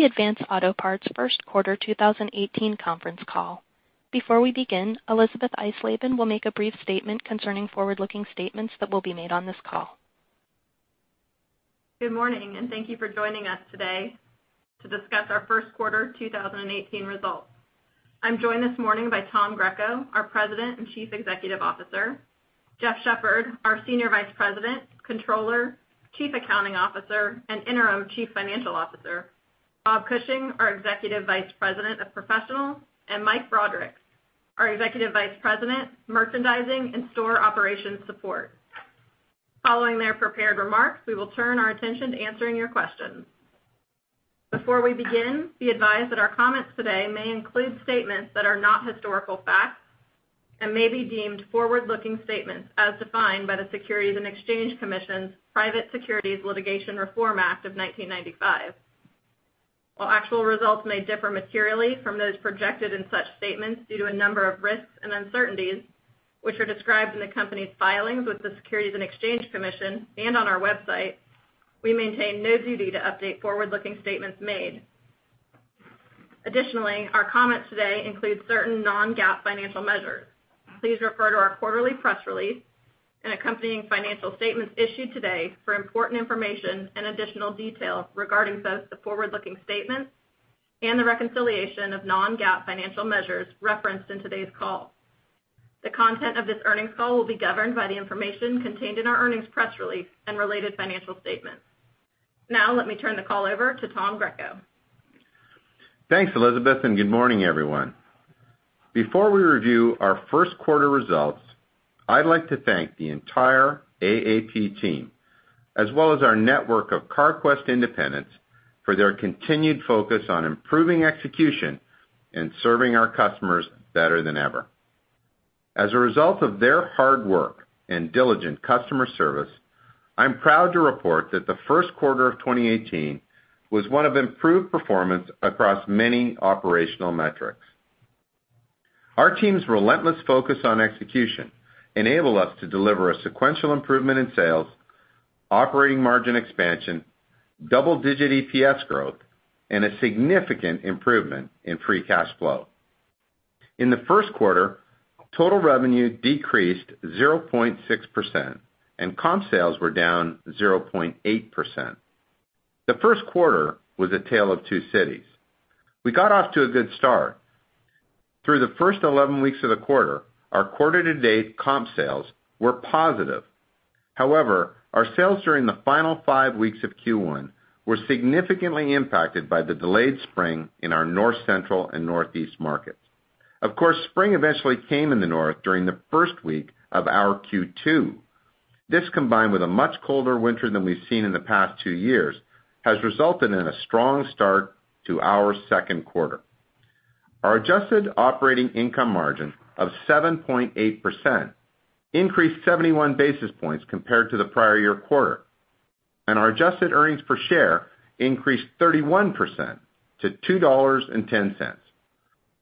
Welcome to the Advance Auto Parts first quarter 2018 conference call. Before we begin, Elisabeth Eisleben will make a brief statement concerning forward-looking statements that will be made on this call. Good morning. Thank you for joining us today to discuss our first quarter 2018 results. I'm joined this morning by Tom Greco, our President and Chief Executive Officer, Jeff Shepherd, our Senior Vice President, Comptroller, Chief Accounting Officer, and Interim Chief Financial Officer, Bob Cushing, our Executive Vice President of Professional, and Mike Broderick, our Executive Vice President, Merchandising and Store Operation Support. Following their prepared remarks, we will turn our attention to answering your questions. Before we begin, be advised that our comments today may include statements that are not historical facts and may be deemed forward-looking statements as defined by the Securities and Exchange Commission's Private Securities Litigation Reform Act of 1995. While actual results may differ materially from those projected in such statements due to a number of risks and uncertainties, which are described in the company's filings with the Securities and Exchange Commission and on our website, we maintain no duty to update forward-looking statements made. Additionally, our comments today include certain non-GAAP financial measures. Please refer to our quarterly press release and accompanying financial statements issued today for important information and additional details regarding both the forward-looking statements and the reconciliation of non-GAAP financial measures referenced in today's call. The content of this earnings call will be governed by the information contained in our earnings press release and related financial statements. Now, let me turn the call over to Tom Greco. Thanks, Elisabeth. Good morning, everyone. Before we review our first quarter results, I'd like to thank the entire AAP team, as well as our network of Carquest independents for their continued focus on improving execution and serving our customers better than ever. As a result of their hard work and diligent customer service, I'm proud to report that the first quarter of 2018 was one of improved performance across many operational metrics. Our team's relentless focus on execution enabled us to deliver a sequential improvement in sales, operating margin expansion, double-digit EPS growth, and a significant improvement in free cash flow. In the first quarter, total revenue decreased 0.6%, and comp sales were down 0.8%. The first quarter was a tale of two cities. We got off to a good start. Through the first 11 weeks of the quarter, our quarter-to-date comp sales were positive. Our sales during the final five weeks of Q1 were significantly impacted by the delayed spring in our North Central and Northeast markets. Of course, spring eventually came in the north during the first week of our Q2. This, combined with a much colder winter than we have seen in the past two years, has resulted in a strong start to our second quarter. Our adjusted operating income margin of 7.8% increased 71 basis points compared to the prior year quarter, and our adjusted earnings per share increased 31% to $2.10.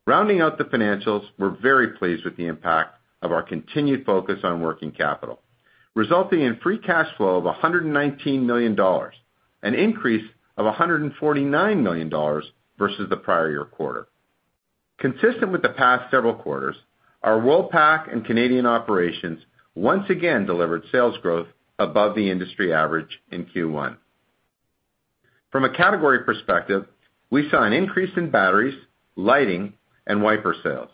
Rounding out the financials, we are very pleased with the impact of our continued focus on working capital, resulting in free cash flow of $119 million, an increase of $149 million versus the prior year quarter. Consistent with the past several quarters, our Worldpac and Canadian operations once again delivered sales growth above the industry average in Q1. From a category perspective, we saw an increase in batteries, lighting, and wiper sales.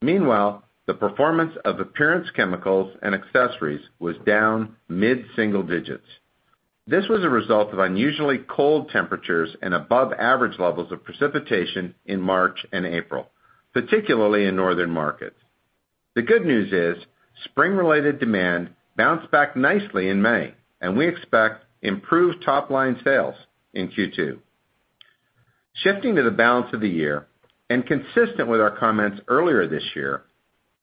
The performance of appearance chemicals and accessories was down mid-single digits. This was a result of unusually cold temperatures and above-average levels of precipitation in March and April, particularly in northern markets. The good news is spring-related demand bounced back nicely in May, and we expect improved top-line sales in Q2. Shifting to the balance of the year and consistent with our comments earlier this year,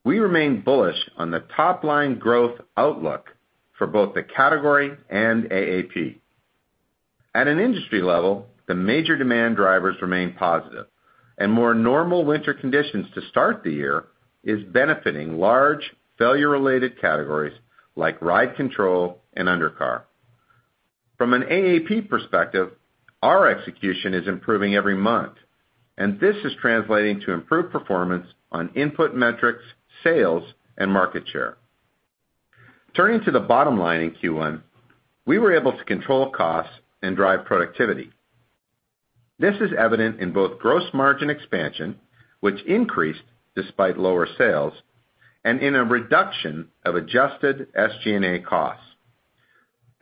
we remain bullish on the top-line growth outlook for both the category and AAP. At an industry level, the major demand drivers remain positive, and more normal winter conditions to start the year is benefiting large, failure-related categories like ride control and undercar. From an AAP perspective, our execution is improving every month, and this is translating to improved performance on input metrics, sales, and market share. Turning to the bottom line in Q1, we were able to control costs and drive productivity. This is evident in both gross margin expansion, which increased despite lower sales, and in a reduction of adjusted SG&A costs.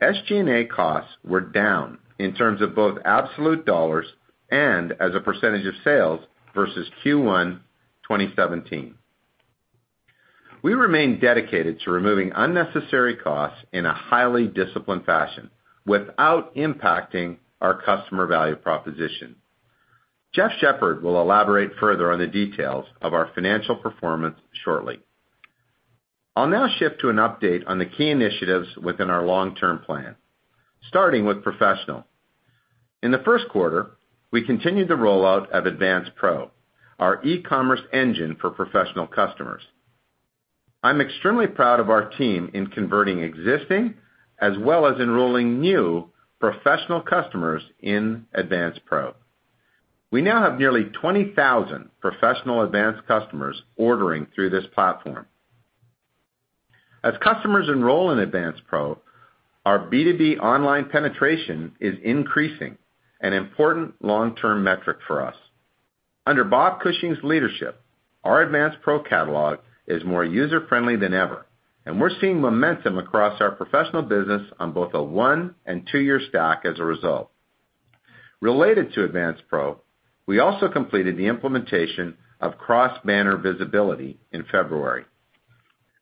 SG&A costs were down in terms of both absolute dollars and as a percentage of sales versus Q1 2017. We remain dedicated to removing unnecessary costs in a highly disciplined fashion without impacting our customer value proposition. Jeff Shepherd will elaborate further on the details of our financial performance shortly. I will now shift to an update on the key initiatives within our long-term plan, starting with professional. In the first quarter, we continued the rollout of Advance Pro, our e-commerce engine for professional customers. I am extremely proud of our team in converting existing as well as enrolling new professional customers in Advance Pro. We now have nearly 20,000 professional Advance customers ordering through this platform. As customers enroll in Advance Pro, our B2B online penetration is increasing, an important long-term metric for us. Under Bob Cushing's leadership, our Advance Pro catalog is more user-friendly than ever, and we are seeing momentum across our professional business on both a one and two-year stack as a result. Related to Advance Pro, we also completed the implementation of Cross-Banner Visibility in February.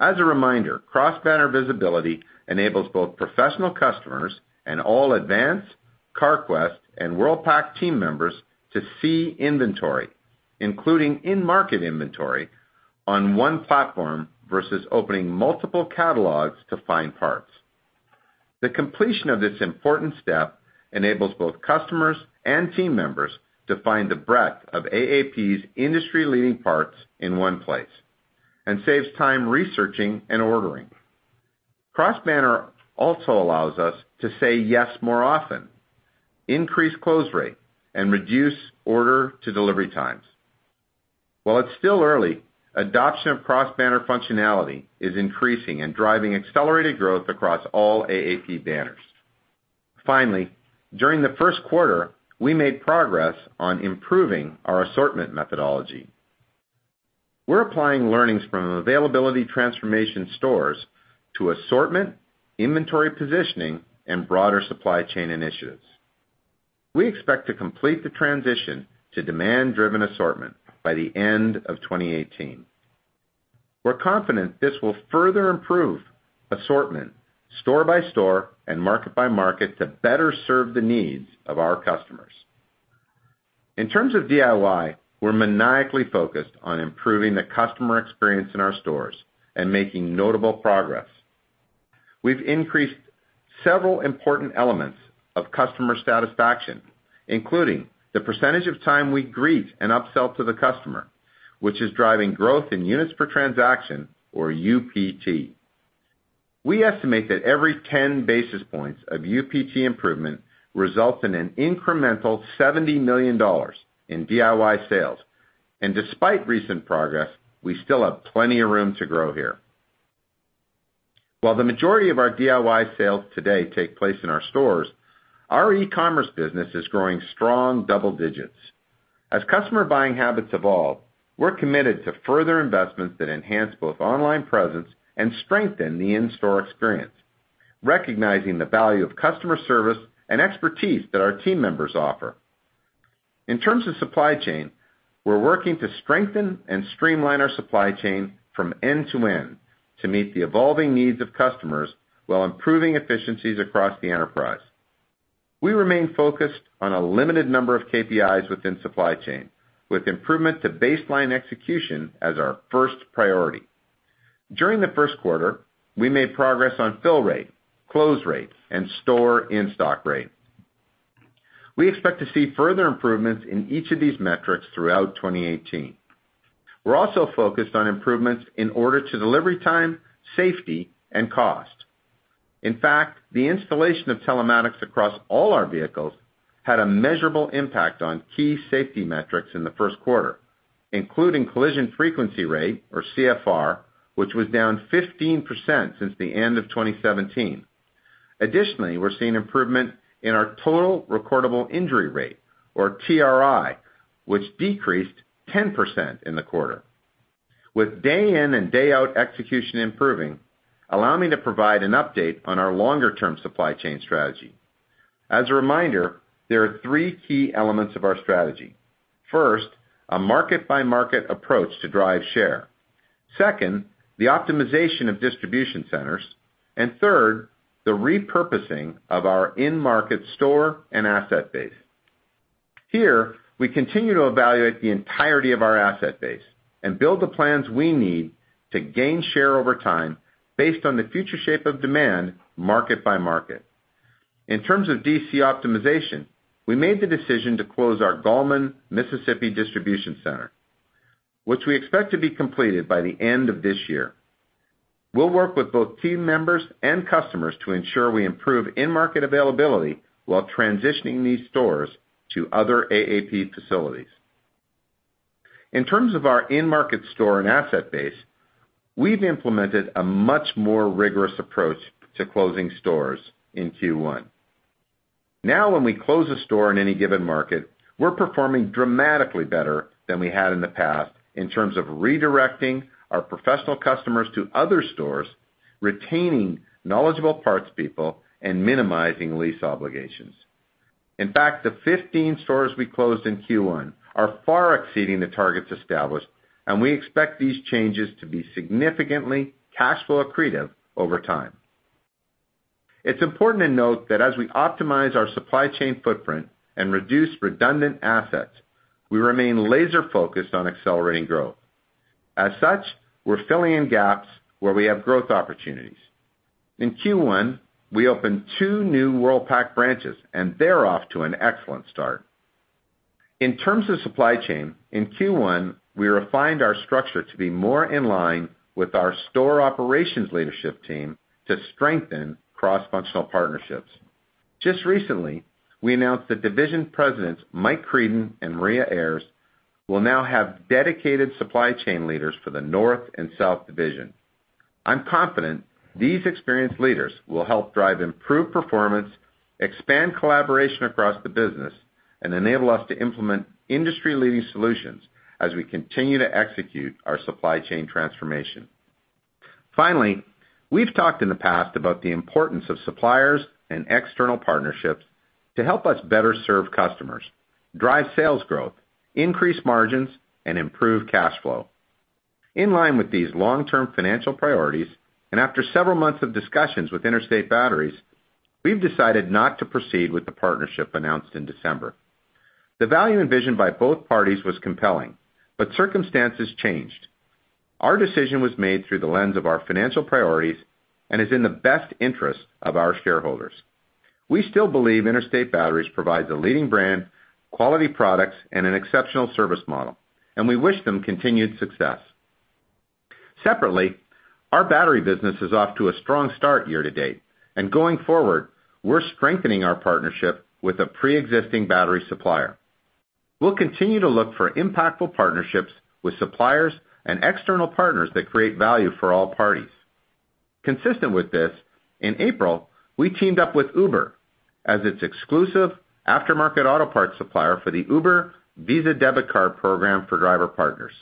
As a reminder, Cross-Banner Visibility enables both professional customers and all Advance, Carquest, and Worldpac team members to see inventory, including in-market inventory, on one platform versus opening multiple catalogs to find parts. The completion of this important step enables both customers and team members to find the breadth of AAP's industry-leading parts in one place and saves time researching and ordering. Cross-Banner also allows us to say yes more often, increase close rate, and reduce order to delivery times. While it's still early, adoption of Cross-Banner functionality is increasing and driving accelerated growth across all AAP banners. Finally, during the first quarter, we made progress on improving our assortment methodology. We're applying learnings from availability transformation stores to assortment, inventory positioning, and broader supply chain initiatives. We expect to complete the transition to demand-driven assortment by the end of 2018. We're confident this will further improve assortment store by store and market by market to better serve the needs of our customers. In terms of DIY, we're maniacally focused on improving the customer experience in our stores and making notable progress. We've increased several important elements of customer satisfaction, including the % of time we greet and upsell to the customer, which is driving growth in units per transaction or UPT. We estimate that every 10 basis points of UPT improvement results in an incremental $70 million in DIY sales. Despite recent progress, we still have plenty of room to grow here. While the majority of our DIY sales today take place in our stores, our e-commerce business is growing strong double digits. As customer buying habits evolve, we're committed to further investments that enhance both online presence and strengthen the in-store experience, recognizing the value of customer service and expertise that our team members offer. In terms of supply chain, we're working to strengthen and streamline our supply chain from end to end to meet the evolving needs of customers while improving efficiencies across the enterprise. We remain focused on a limited number of KPIs within supply chain, with improvement to baseline execution as our first priority. During the first quarter, we made progress on fill rate, close rate, and store in-stock rate. We expect to see further improvements in each of these metrics throughout 2018. We're also focused on improvements in order to delivery time, safety, and cost. In fact, the installation of telematics across all our vehicles had a measurable impact on key safety metrics in the first quarter, including collision frequency rate or CFR, which was down 15% since the end of 2017. Additionally, we're seeing improvement in our total recordable injury rate or TRI, which decreased 10% in the quarter. With day in and day out execution improving, allow me to provide an update on our longer-term supply chain strategy. As a reminder, there are three key elements of our strategy. First, a market-by-market approach to drive share. Second, the optimization of distribution centers. Third, the repurposing of our in-market store and asset base. Here, we continue to evaluate the entirety of our asset base and build the plans we need to gain share over time based on the future shape of demand, market by market. In terms of DC optimization, we made the decision to close our Gallman, Mississippi distribution center, which we expect to be completed by the end of this year. We'll work with both team members and customers to ensure we improve in-market availability while transitioning these stores to other AAP facilities. In terms of our in-market store and asset base, we've implemented a much more rigorous approach to closing stores in Q1. Now, when we close a store in any given market, we're performing dramatically better than we had in the past in terms of redirecting our professional customers to other stores, retaining knowledgeable parts people, and minimizing lease obligations. In fact, the 15 stores we closed in Q1 are far exceeding the targets established, and we expect these changes to be significantly cash flow accretive over time. It's important to note that as we optimize our supply chain footprint and reduce redundant assets, we remain laser-focused on accelerating growth. We're filling in gaps where we have growth opportunities. In Q1, we opened two new Worldpac branches, and they're off to an excellent start. In terms of supply chain, in Q1, we refined our structure to be more in line with our store operations leadership team to strengthen cross-functional partnerships. Just recently, we announced that division presidents, Mike Creedon and Maria Ayres, will now have dedicated supply chain leaders for the North and South Division. I'm confident these experienced leaders will help drive improved performance, expand collaboration across the business, and enable us to implement industry-leading solutions as we continue to execute our supply chain transformation. We've talked in the past about the importance of suppliers and external partnerships to help us better serve customers, drive sales growth, increase margins, and improve cash flow. In line with these long-term financial priorities, after several months of discussions with Interstate Batteries, we've decided not to proceed with the partnership announced in December. The value envisioned by both parties was compelling, circumstances changed. Our decision was made through the lens of our financial priorities and is in the best interest of our shareholders. We still believe Interstate Batteries provides a leading brand, quality products, and an exceptional service model. We wish them continued success. Separately, our battery business is off to a strong start year to date. Going forward, we're strengthening our partnership with a preexisting battery supplier. We'll continue to look for impactful partnerships with suppliers and external partners that create value for all parties. Consistent with this, in April, we teamed up with Uber as its exclusive aftermarket auto parts supplier for the Uber Visa Debit Card program for driver partners.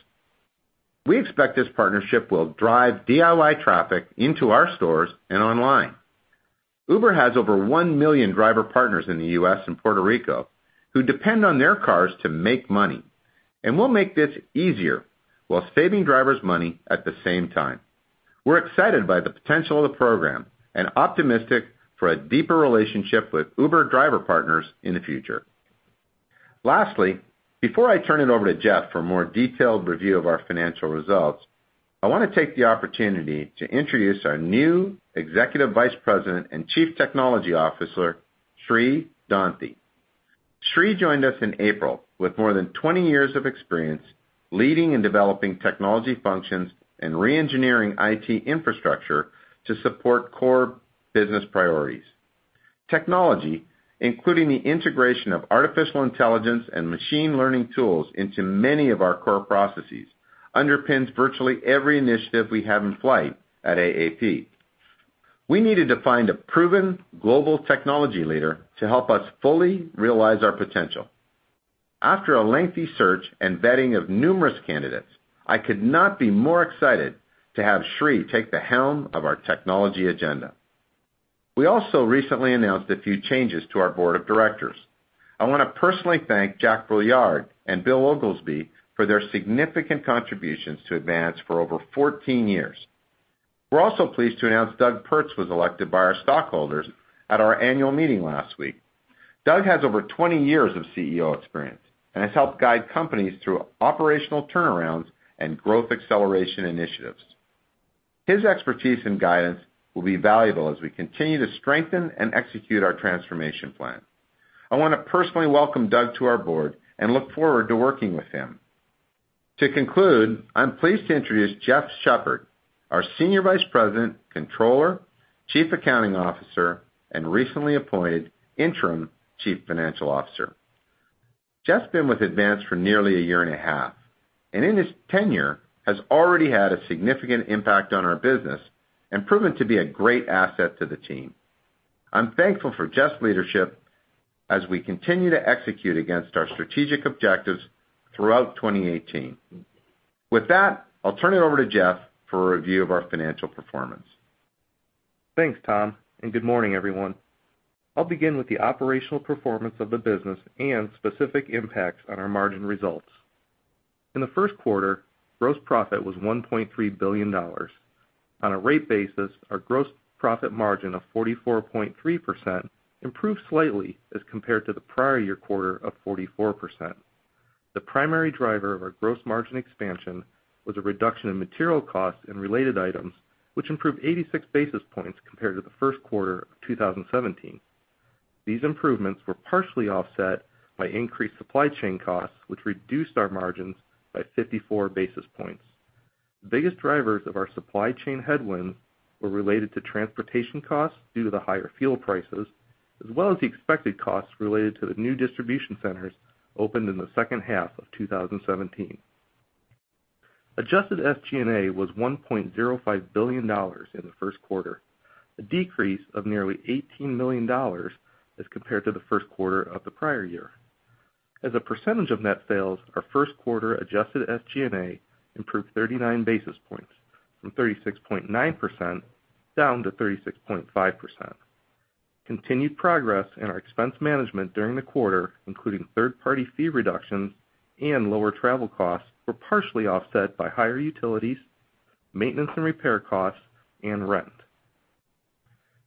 We expect this partnership will drive DIY traffic into our stores and online. Uber has over 1 million driver partners in the U.S. and Puerto Rico who depend on their cars to make money. We'll make this easier while saving drivers money at the same time. We're excited by the potential of the program and optimistic for a deeper relationship with Uber driver partners in the future. Before I turn it over to Jeff for a more detailed review of our financial results, I want to take the opportunity to introduce our new Executive Vice President and Chief Technology Officer, Sri Donthi. Sri joined us in April with more than 20 years of experience leading and developing technology functions and re-engineering IT infrastructure to support core business priorities. Technology, including the integration of artificial intelligence and machine learning tools into many of our core processes, underpins virtually every initiative we have in flight at AAP. We needed to find a proven global technology leader to help us fully realize our potential. After a lengthy search and vetting of numerous candidates, I could not be more excited to have Sri take the helm of our technology agenda. We also recently announced a few changes to our board of directors. I want to personally thank Jack Brouillard and Bill Oglesby for their significant contributions to Advance for over 14 years. We're also pleased to announce Doug Pertz was elected by our stockholders at our annual meeting last week. Doug has over 20 years of CEO experience and has helped guide companies through operational turnarounds and growth acceleration initiatives. His expertise and guidance will be valuable as we continue to strengthen and execute our transformation plan. I want to personally welcome Doug to our board and look forward to working with him. To conclude, I'm pleased to introduce Jeff Shepherd, our Senior Vice President, Comptroller, Chief Accounting Officer, and recently appointed Interim Chief Financial Officer. Jeff's been with Advance for nearly a year and a half, and in his tenure, has already had a significant impact on our business and proven to be a great asset to the team. I'm thankful for Jeff's leadership as we continue to execute against our strategic objectives throughout 2018. With that, I'll turn it over to Jeff for a review of our financial performance. Thanks, Tom. Good morning, everyone. I'll begin with the operational performance of the business and specific impacts on our margin results. In the first quarter, gross profit was $1.3 billion. On a rate basis, our gross profit margin of 44.3% improved slightly as compared to the prior year quarter of 44%. The primary driver of our gross margin expansion was a reduction in material costs and related items, which improved 86 basis points compared to the first quarter of 2017. These improvements were partially offset by increased supply chain costs, which reduced our margins by 54 basis points. The biggest drivers of our supply chain headwinds were related to transportation costs due to the higher fuel prices, as well as the expected costs related to the new distribution centers opened in the second half of 2017. Adjusted SG&A was $1.05 billion in the first quarter, a decrease of nearly $18 million as compared to the first quarter of the prior year. As a percentage of net sales, our first quarter adjusted SG&A improved 39 basis points from 36.9% down to 36.5%. Continued progress in our expense management during the quarter, including third-party fee reductions and lower travel costs, were partially offset by higher utilities, maintenance and repair costs, and rent.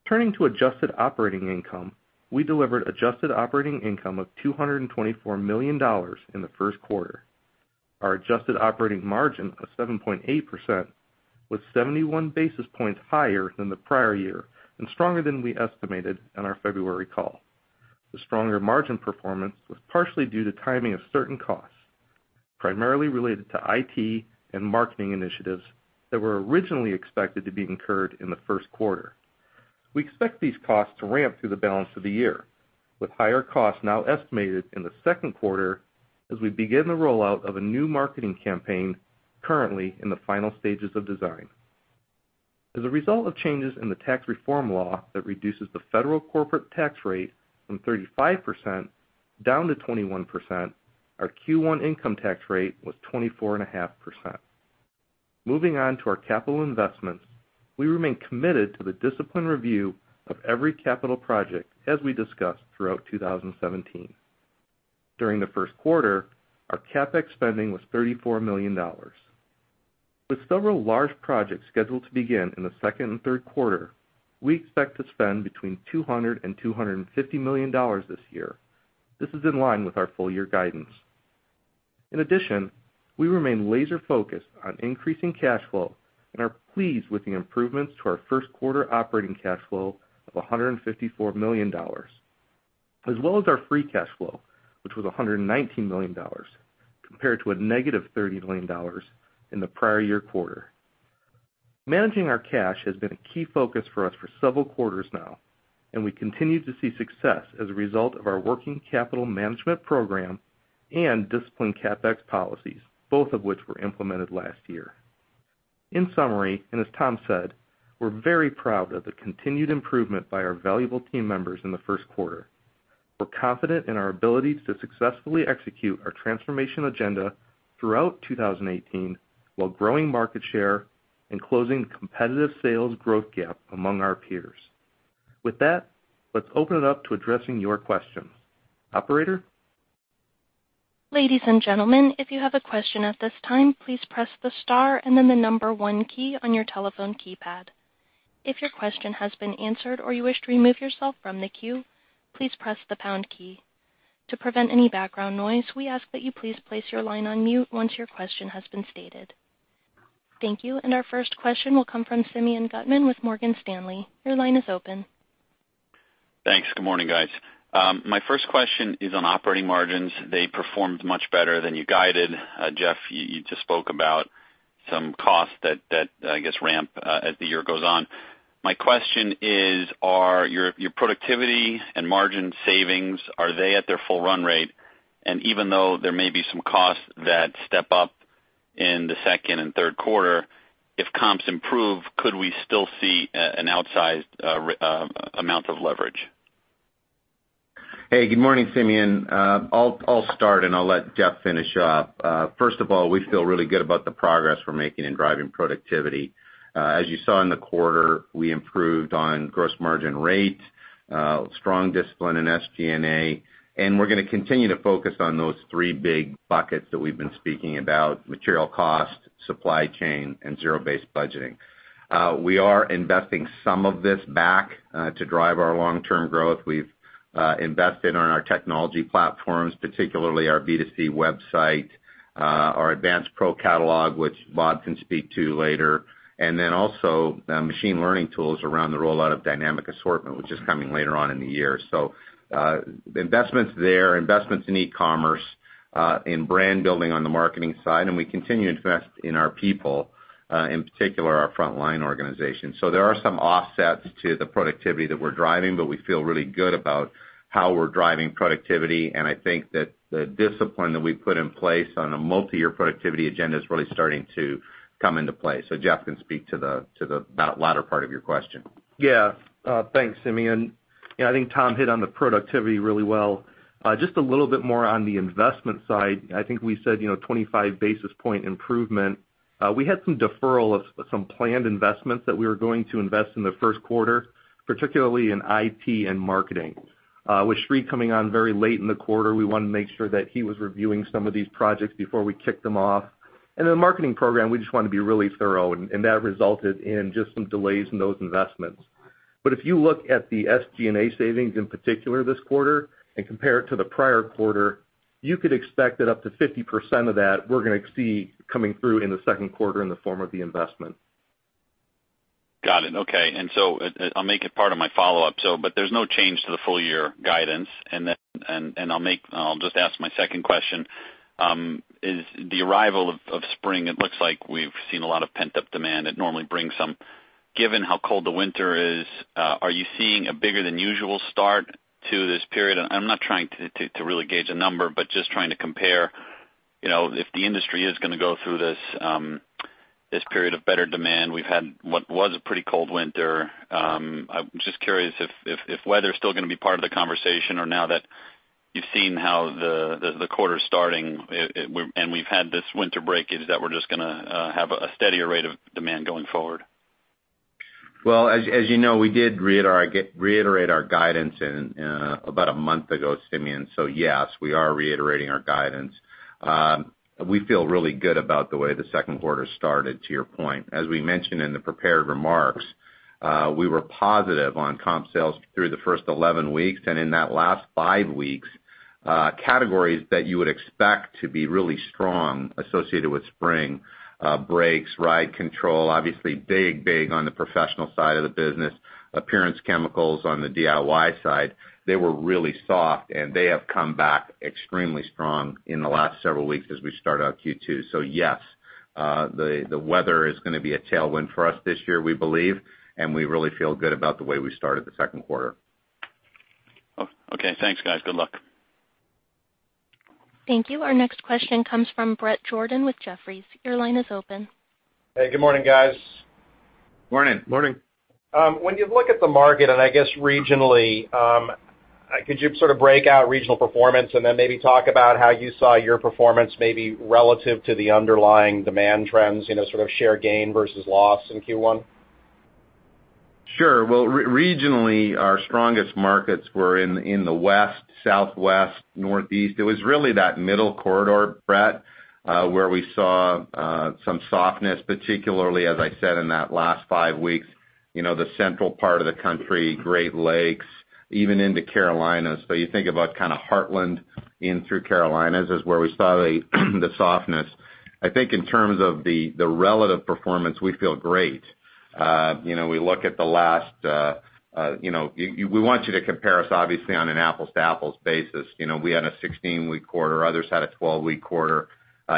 Turning to adjusted operating income, we delivered adjusted operating income of $224 million in the first quarter. Our adjusted operating margin of 7.8% was 71 basis points higher than the prior year and stronger than we estimated on our February call. The stronger margin performance was partially due to timing of certain costs, primarily related to IT and marketing initiatives that were originally expected to be incurred in the first quarter. We expect these costs to ramp through the balance of the year, with higher costs now estimated in the second quarter as we begin the rollout of a new marketing campaign currently in the final stages of design. As a result of changes in the tax reform law that reduces the federal corporate tax rate from 35% down to 21%, our Q1 income tax rate was 24.5%. Moving on to our capital investments, we remain committed to the disciplined review of every capital project as we discussed throughout 2017. During the first quarter, our CapEx spending was $34 million. With several large projects scheduled to begin in the second and third quarter, we expect to spend between $200 and $250 million this year. This is in line with our full year guidance. We remain laser focused on increasing cash flow and are pleased with the improvements to our first quarter operating cash flow of $154 million, as well as our free cash flow, which was $119 million, compared to a negative $30 million in the prior year quarter. Managing our cash has been a key focus for us for several quarters now, and we continue to see success as a result of our working capital management program and disciplined CapEx policies, both of which were implemented last year. In summary, as Tom said, we're very proud of the continued improvement by our valuable team members in the first quarter. We're confident in our ability to successfully execute our transformation agenda throughout 2018 while growing market share and closing the competitive sales growth gap among our peers. Let's open it up to addressing your questions. Operator? Ladies and gentlemen, if you have a question at this time, please press the star and then the number one key on your telephone keypad. If your question has been answered or you wish to remove yourself from the queue, please press the pound key. To prevent any background noise, we ask that you please place your line on mute once your question has been stated. Thank you. Our first question will come from Simeon Gutman with Morgan Stanley. Your line is open. Thanks. Good morning, guys. My first question is on operating margins. They performed much better than you guided. Jeff, you just spoke about some costs that, I guess, ramp as the year goes on. My question is, your productivity and margin savings, are they at their full run rate? Even though there may be some costs that step up in the second and third quarter, if comps improve, could we still see an outsized amount of leverage? Hey, good morning, Simeon. I'll start, and I'll let Jeff finish up. First of all, we feel really good about the progress we're making in driving productivity. As you saw in the quarter, we improved on gross margin rate, strong discipline in SG&A, and we're going to continue to focus on those three big buckets that we've been speaking about, material cost, supply chain, and zero-based budgeting. We are investing some of this back to drive our long-term growth. We've invested on our technology platforms, particularly our B2C website, our Advance Pro catalog, which Bob can speak to later, and then also machine learning tools around the rollout of dynamic assortment, which is coming later on in the year. Investments there, investments in e-commerce, in brand building on the marketing side, and we continue to invest in our people, in particular our frontline organization. There are some offsets to the productivity that we're driving, but we feel really good about how we're driving productivity, and I think that the discipline that we've put in place on a multi-year productivity agenda is really starting to come into play. Jeff can speak to the latter part of your question. Yeah. Thanks, Simeon. I think Tom hit on the productivity really well. Just a little bit more on the investment side. I think we said 25 basis point improvement. We had some deferral of some planned investments that we were going to invest in the first quarter, particularly in IT and marketing. With Sri coming on very late in the quarter, we wanted to make sure that he was reviewing some of these projects before we kicked them off. The marketing program, we just wanted to be really thorough, and that resulted in just some delays in those investments. If you look at the SG&A savings in particular this quarter and compare it to the prior quarter, you could expect that up to 50% of that we're going to see coming through in the second quarter in the form of the investment. Got it. Okay. I'll make it part of my follow-up. There's no change to the full year guidance. I'll just ask my second question. The arrival of spring, it looks like we've seen a lot of pent-up demand. It normally brings some. Given how cold the winter is, are you seeing a bigger than usual start to this period? I'm not trying to really gauge a number, but just trying to compare, if the industry is going to go through this period of better demand. We've had what was a pretty cold winter. I'm just curious if weather is still going to be part of the conversation or now that you've seen how the quarter's starting and we've had this winter break, is that we're just going to have a steadier rate of demand going forward? Well, as you know, we did reiterate our guidance about a month ago, Simeon. Yes, we are reiterating our guidance. We feel really good about the way the second quarter started, to your point. As we mentioned in the prepared remarks, we were positive on comp sales through the first 11 weeks, and in that last five weeks Categories that you would expect to be really strong associated with spring, brakes, ride control, obviously big on the professional side of the business, appearance chemicals on the DIY side, they were really soft, and they have come back extremely strong in the last several weeks as we start out Q2. Yes, the weather is going to be a tailwind for us this year, we believe, and we really feel good about the way we started the second quarter. Okay. Thanks, guys. Good luck. Thank you. Our next question comes from Bret Jordan with Jefferies. Your line is open. Hey, good morning, guys. Morning. Morning. When you look at the market, and I guess regionally, could you sort of break out regional performance and then maybe talk about how you saw your performance maybe relative to the underlying demand trends, sort of share gain versus loss in Q1? Sure. Well, regionally, our strongest markets were in the west, southwest, northeast. It was really that middle corridor, Bret, where we saw some softness, particularly, as I said, in that last five weeks, the central part of the country, Great Lakes, even into Carolinas. You think about kind of Heartland in through Carolinas is where we saw the softness. I think in terms of the relative performance, we feel great. We want you to compare us, obviously, on an apples-to-apples basis. We had a 16-week quarter, others had a 12-week quarter.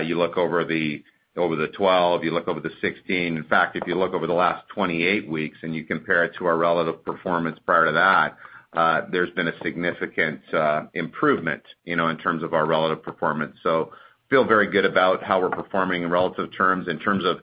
You look over the 12, you look over the 16. In fact, if you look over the last 28 weeks and you compare it to our relative performance prior to that, there's been a significant improvement in terms of our relative performance. Feel very good about how we're performing in relative terms. In terms of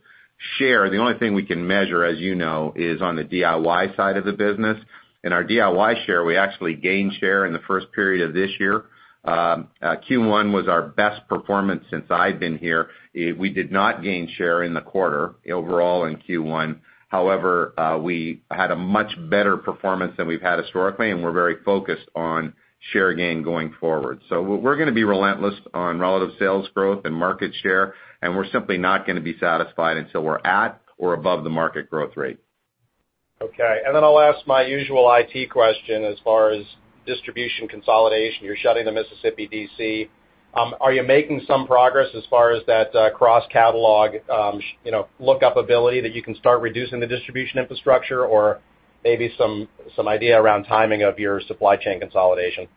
share, the only thing we can measure, as you know, is on the DIY side of the business. In our DIY share, we actually gained share in the first period of this year. Q1 was our best performance since I've been here. We did not gain share in the quarter overall in Q1. However, we had a much better performance than we've had historically, and we're very focused on share gain going forward. We're going to be relentless on relative sales growth and market share, and we're simply not going to be satisfied until we're at or above the market growth rate. Okay. Then I'll ask my usual IT question as far as distribution consolidation. You're shutting the Mississippi DC. Are you making some progress as far as that cross-catalog lookup ability that you can start reducing the distribution infrastructure? Or maybe some idea around timing of your supply chain consolidation?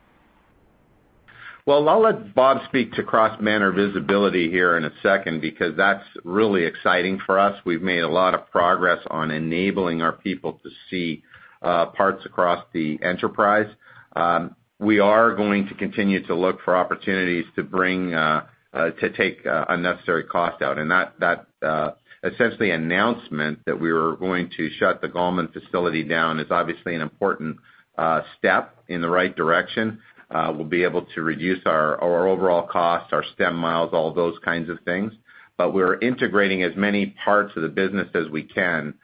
I'll let Bob speak to Cross-Banner Visibility here in a second because that's really exciting for us. We've made a lot of progress on enabling our people to see parts across the enterprise. We are going to continue to look for opportunities to take unnecessary cost out, that essentially announcement that we were going to shut the Gallman facility down is obviously an important step in the right direction. We'll be able to reduce our overall cost, our stem miles, all those kinds of things. We're integrating as many parts of the business as we can,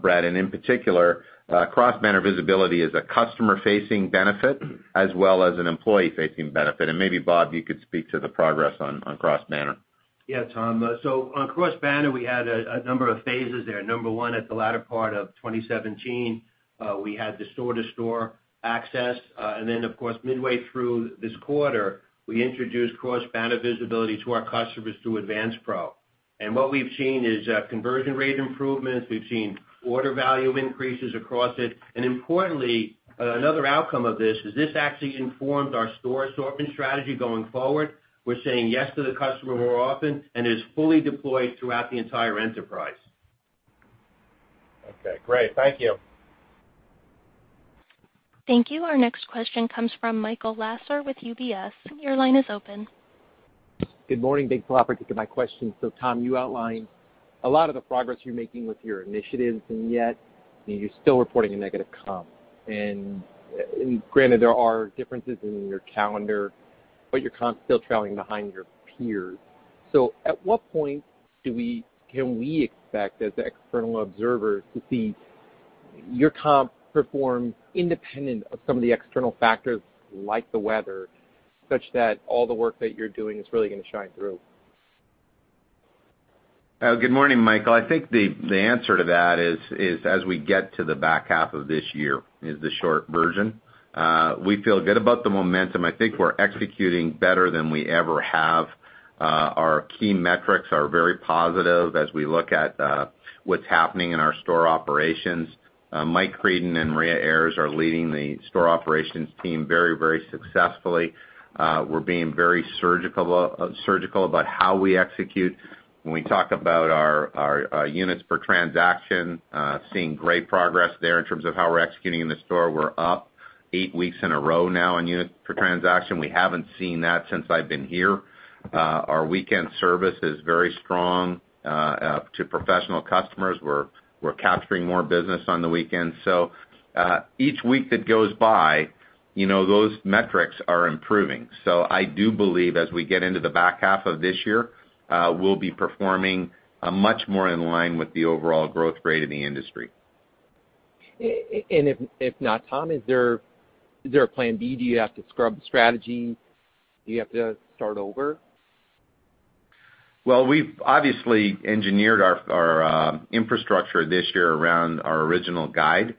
Bret, in particular, Cross-Banner Visibility is a customer-facing benefit as well as an employee-facing benefit. Maybe, Bob, you could speak to the progress on cross-banner. Yeah, Tom. On Cross-Banner, we had a number of phases there. Number 1, at the latter part of 2017, we had the store-to-store access. Then, of course, midway through this quarter, we introduced Cross-Banner Visibility to our customers through Advance Pro. What we've seen is conversion rate improvements. We've seen order value increases across it, importantly, another outcome of this is this actually informs our store assortment strategy going forward. We're saying yes to the customer more often, it is fully deployed throughout the entire enterprise. Okay, great. Thank you. Thank you. Our next question comes from Michael Lasser with UBS. Your line is open. Good morning. Thanks for the opportunity for my question. Tom, you outlined a lot of the progress you're making with your initiatives, yet you're still reporting a negative comp. Granted, there are differences in your calendar, but your comp's still trailing behind your peers. At what point can we expect, as external observers, to see your comp perform independent of some of the external factors, like the weather, such that all the work that you're doing is really going to shine through? Good morning, Michael. I think the answer to that is as we get to the back half of this year, is the short version. We feel good about the momentum. I think we're executing better than we ever have. Our key metrics are very positive as we look at what's happening in our store operations. Mike Creedon and Maria Ayres are leading the store operations team very successfully. We're being very surgical about how we execute. When we talk about our units per transaction, seeing great progress there in terms of how we're executing in the store. We're up eight weeks in a row now in units per transaction. We haven't seen that since I've been here. Our weekend service is very strong to professional customers. We're capturing more business on the weekends. Each week that goes by, those metrics are improving. I do believe as we get into the back half of this year, we'll be performing much more in line with the overall growth rate of the industry. If not, Tom, is there a plan B? Do you have to scrub the strategy? Do you have to start over? We've obviously engineered our infrastructure this year around our original guide.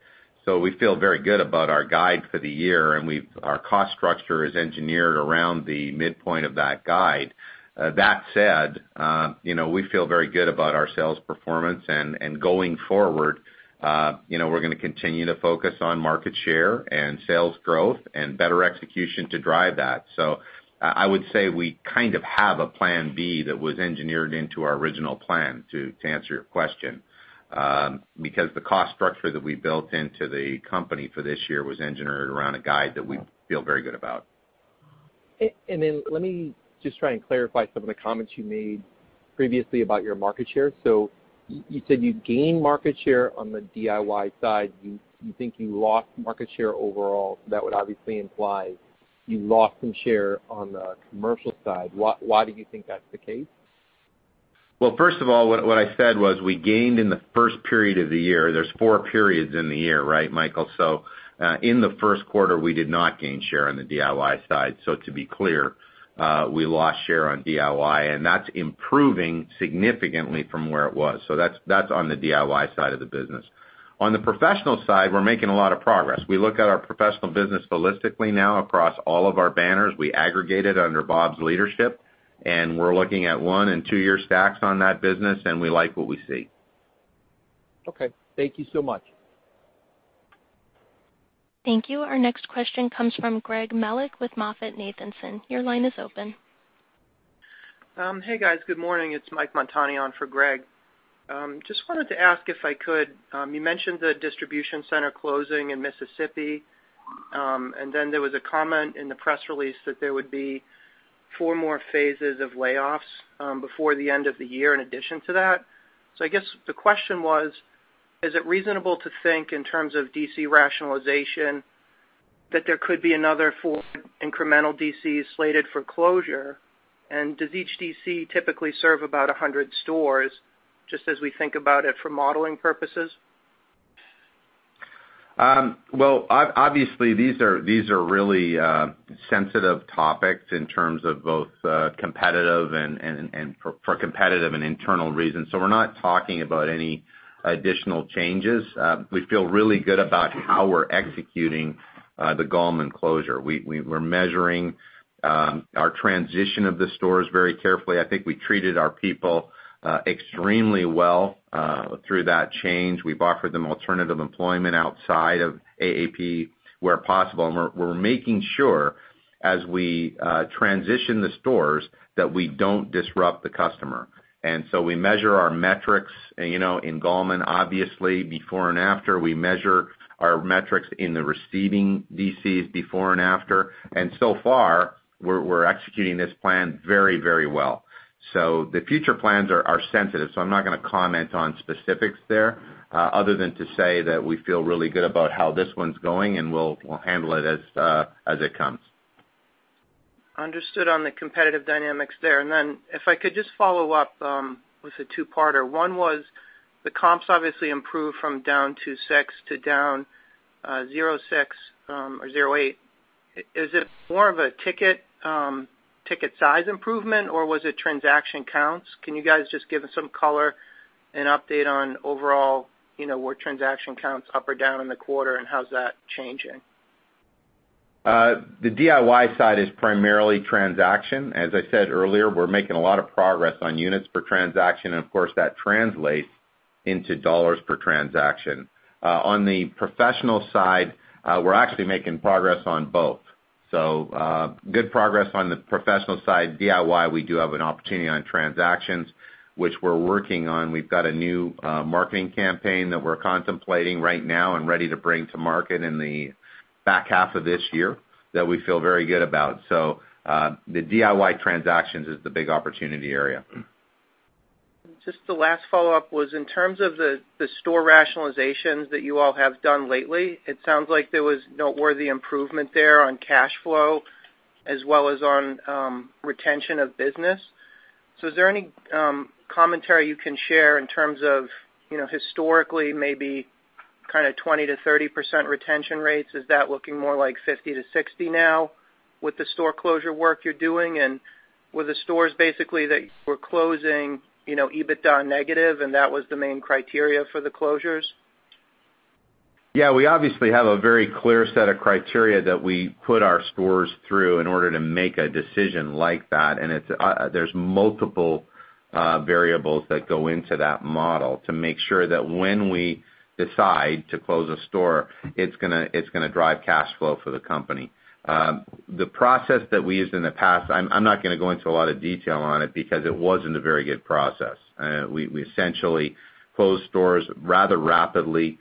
We feel very good about our guide for the year, and our cost structure is engineered around the midpoint of that guide. That said, we feel very good about our sales performance. Going forward, we're going to continue to focus on market share and sales growth and better execution to drive that. I would say we kind of have a plan B that was engineered into our original plan, to answer your question, because the cost structure that we built into the company for this year was engineered around a guide that we feel very good about. Let me just try and clarify some of the comments you made previously about your market share. You said you gained market share on the DIY side. You think you lost market share overall. That would obviously imply you lost some share on the commercial side. Why do you think that's the case? First of all, what I said was we gained in the first period of the year. There's four periods in the year, right, Michael? In the first quarter, we did not gain share on the DIY side. To be clear, we lost share on DIY, and that's improving significantly from where it was. That's on the DIY side of the business. On the professional side, we're making a lot of progress. We look at our professional business holistically now across all of our banners. We aggregate it under Bob's leadership, and we're looking at one- and two-year stacks on that business, and we like what we see. Okay. Thank you so much. Thank you. Our next question comes from Greg Melich with MoffettNathanson. Your line is open. Hey, guys. Good morning. It's Michael Montani on for Greg. Wanted to ask if I could, you mentioned the distribution center closing in Mississippi, and then there was a comment in the press release that there would be 4 more phases of layoffs before the end of the year in addition to that. I guess the question was, is it reasonable to think in terms of DC rationalization that there could be another 4 incremental DCs slated for closure? Does each DC typically serve about 100 stores, just as we think about it for modeling purposes? Well, obviously these are really sensitive topics in terms of both competitive and for competitive and internal reasons. We're not talking about any additional changes. We feel really good about how we're executing the Gallman closure. We're measuring our transition of the stores very carefully. I think we treated our people extremely well through that change. We've offered them alternative employment outside of AAP where possible. We're making sure as we transition the stores that we don't disrupt the customer. We measure our metrics in Gallman, obviously before and after. We measure our metrics in the receiving DCs before and after. So far we're executing this plan very well. The future plans are sensitive. I'm not going to comment on specifics there, other than to say that we feel really good about how this one's going, and we'll handle it as it comes. Understood on the competitive dynamics there. If I could just follow up with a two-parter. One was the comps obviously improved from down 2.6% to down 0.6% or 0.8%. Is it more of a ticket size improvement, or was it transaction counts? Can you guys just give us some color and update on overall, were transaction counts up or down in the quarter, and how's that changing? The DIY side is primarily transaction. As I said earlier, we're making a lot of progress on units per transaction, and of course, that translates into $ per transaction. On the professional side, we're actually making progress on both. Good progress on the professional side. DIY, we do have an opportunity on transactions, which we're working on. We've got a new marketing campaign that we're contemplating right now and ready to bring to market in the back half of this year that we feel very good about. The DIY transactions is the big opportunity area. Just the last follow-up was in terms of the store rationalizations that you all have done lately. It sounds like there was noteworthy improvement there on cash flow as well as on retention of business. Is there any commentary you can share in terms of historically, maybe kind of 20%-30% retention rates? Is that looking more like 50%-60% now with the store closure work you're doing? Were the stores basically that you were closing, EBITDA negative and that was the main criteria for the closures? Yeah, we obviously have a very clear set of criteria that we put our stores through in order to make a decision like that. There's multiple variables that go into that model to make sure that when we decide to close a store, it's going to drive cash flow for the company. The process that we used in the past, I'm not going to go into a lot of detail on it because it wasn't a very good process. We essentially closed stores rather rapidly.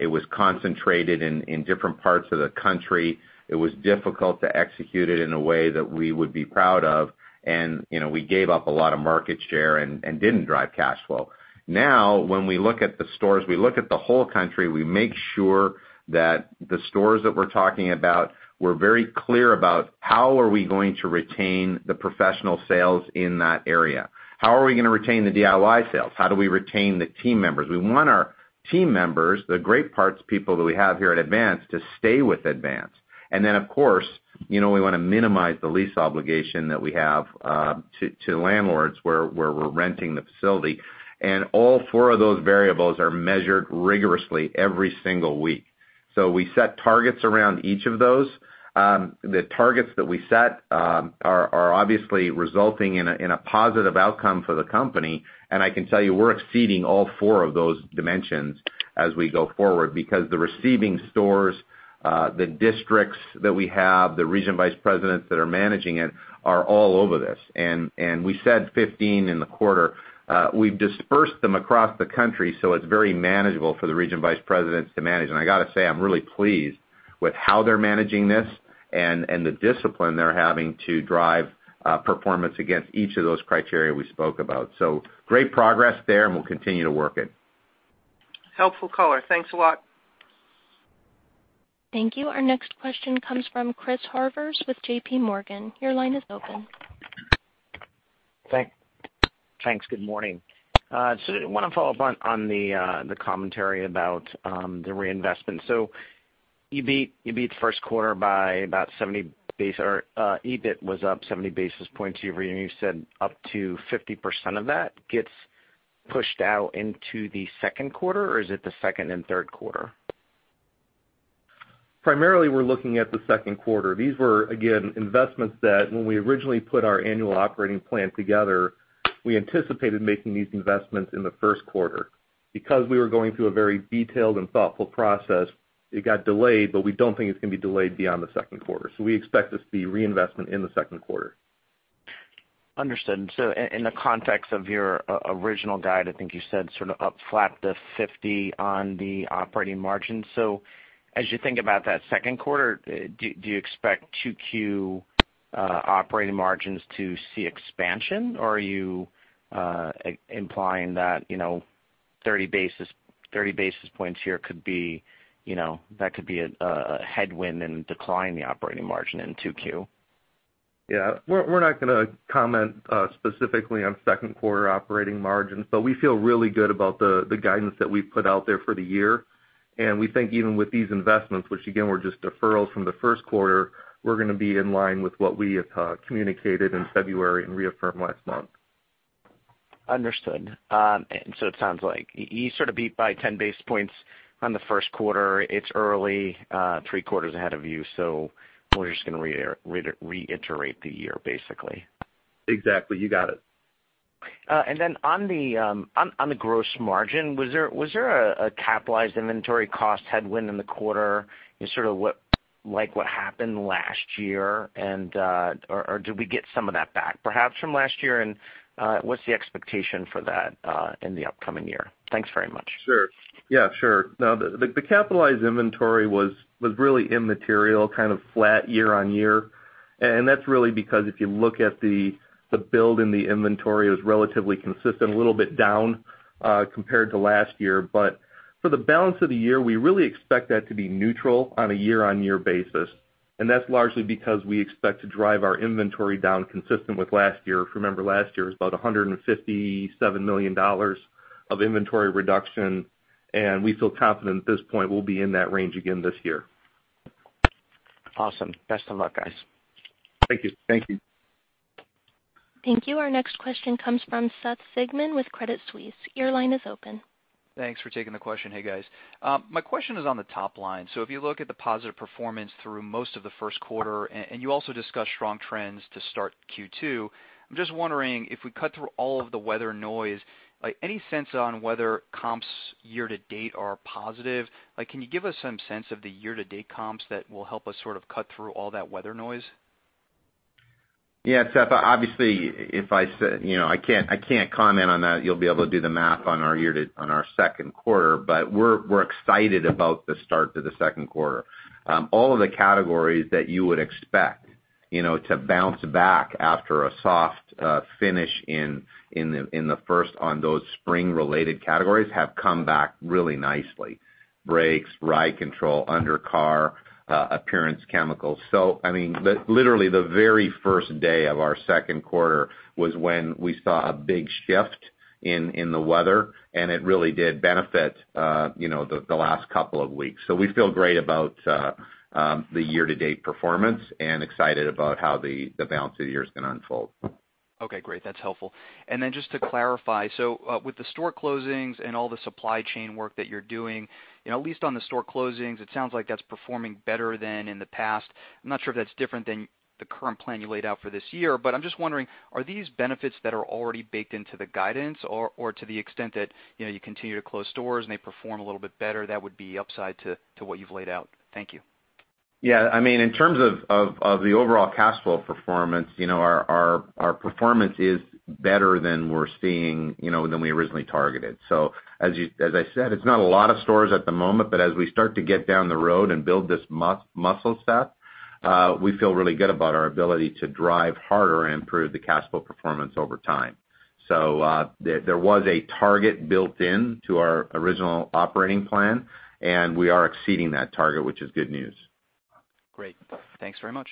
It was concentrated in different parts of the country. It was difficult to execute it in a way that we would be proud of. We gave up a lot of market share and didn't drive cash flow. Now, when we look at the stores, we look at the whole country. We make sure that the stores that we're talking about, we're very clear about how are we going to retain the professional sales in that area? How are we going to retain the DIY sales? How do we retain the team members? We want our team members, the great parts people that we have here at Advance, to stay with Advance. We want to minimize the lease obligation that we have to landlords where we're renting the facility. All four of those variables are measured rigorously every single week. We set targets around each of those. The targets that we set are obviously resulting in a positive outcome for the company, I can tell you we're exceeding all four of those dimensions as we go forward because the receiving stores, the districts that we have, the region vice presidents that are managing it, are all over this. We said 15 in the quarter. We've dispersed them across the country, so it's very manageable for the region vice presidents to manage. I got to say, I'm really pleased with how they're managing this and the discipline they're having to drive performance against each of those criteria we spoke about. Great progress there, and we'll continue to work it. Helpful color. Thanks a lot. Thank you. Our next question comes from Chris Horvers with J.P. Morgan. Your line is open. Thanks. Good morning. I want to follow up on the commentary about the reinvestment. You beat first quarter by about 70 basis, or EBIT was up 70 basis points year-over-year, and you said up to 50% of that gets pushed out into the second quarter, or is it the second and third quarter? Primarily, we're looking at the second quarter. These were, again, investments that when we originally put our annual operating plan together, we anticipated making these investments in the first quarter. Because we were going through a very detailed and thoughtful process, it got delayed, but we don't think it's going to be delayed beyond the second quarter. We expect this to be reinvestment in the second quarter. Understood. In the context of your original guide, I think you said sort of up flat to 50 on the operating margin. As you think about that second quarter, do you expect 2Q operating margins to see expansion? Or are you implying that 30 basis points here could be a headwind and decline the operating margin in 2Q? Yeah. We're not going to comment specifically on second quarter operating margins, we feel really good about the guidance that we've put out there for the year. We think even with these investments, which again, were just deferrals from the first quarter, we're going to be in line with what we have communicated in February and reaffirmed last month. Understood. It sounds like you sort of beat by 10 basis points on the first quarter. It's early, three quarters ahead of you, we're just going to reiterate the year, basically. Exactly. You got it. On the gross margin, was there a capitalized inventory cost headwind in the quarter in sort of like what happened last year? Did we get some of that back perhaps from last year? What's the expectation for that in the upcoming year? Thanks very much. Sure. Yeah, sure. No, the capitalized inventory was really immaterial, kind of flat year-on-year. That's really because if you look at the build in the inventory, it was relatively consistent, a little bit down compared to last year. For the balance of the year, we really expect that to be neutral on a year-on-year basis, that's largely because we expect to drive our inventory down consistent with last year. If you remember, last year was about $157 million of inventory reduction, we feel confident at this point we'll be in that range again this year. Awesome. Best of luck, guys. Thank you. Thank you. Thank you. Our next question comes from Seth Sigman with Credit Suisse. Your line is open. Thanks for taking the question. Hey, guys. My question is on the top line. If you look at the positive performance through most of the first quarter, and you also discussed strong trends to start Q2, I'm just wondering if we cut through all of the weather noise, any sense on whether comps year to date are positive? Can you give us some sense of the year to date comps that will help us sort of cut through all that weather noise? Yeah, Seth. Obviously, I can't comment on that. You'll be able to do the math on our second quarter, but we're excited about the start to the second quarter. All of the categories that you would expect to bounce back after a soft finish in the first on those spring related categories have come back really nicely. Brakes, ride control, under car, appearance chemicals. I mean, literally the very first day of our second quarter was when we saw a big shift in the weather, and it really did benefit the last couple of weeks. We feel great about the year to date performance and excited about how the balance of the year is going to unfold. Okay, great. That's helpful. Just to clarify, with the store closings and all the supply chain work that you're doing, at least on the store closings, it sounds like that's performing better than in the past. I'm not sure if that's different than the current plan you laid out for this year, but I'm just wondering, are these benefits that are already baked into the guidance? Or to the extent that you continue to close stores and they perform a little bit better, that would be upside to what you've laid out? Thank you. Yeah. I mean, in terms of the overall cash flow performance, our performance is better than we originally targeted. As I said, it's not a lot of stores at the moment, but as we start to get down the road and build this muscle, Seth, we feel really good about our ability to drive harder and improve the cash flow performance over time. There was a target built in to our original operating plan, and we are exceeding that target, which is good news. Great. Thanks very much.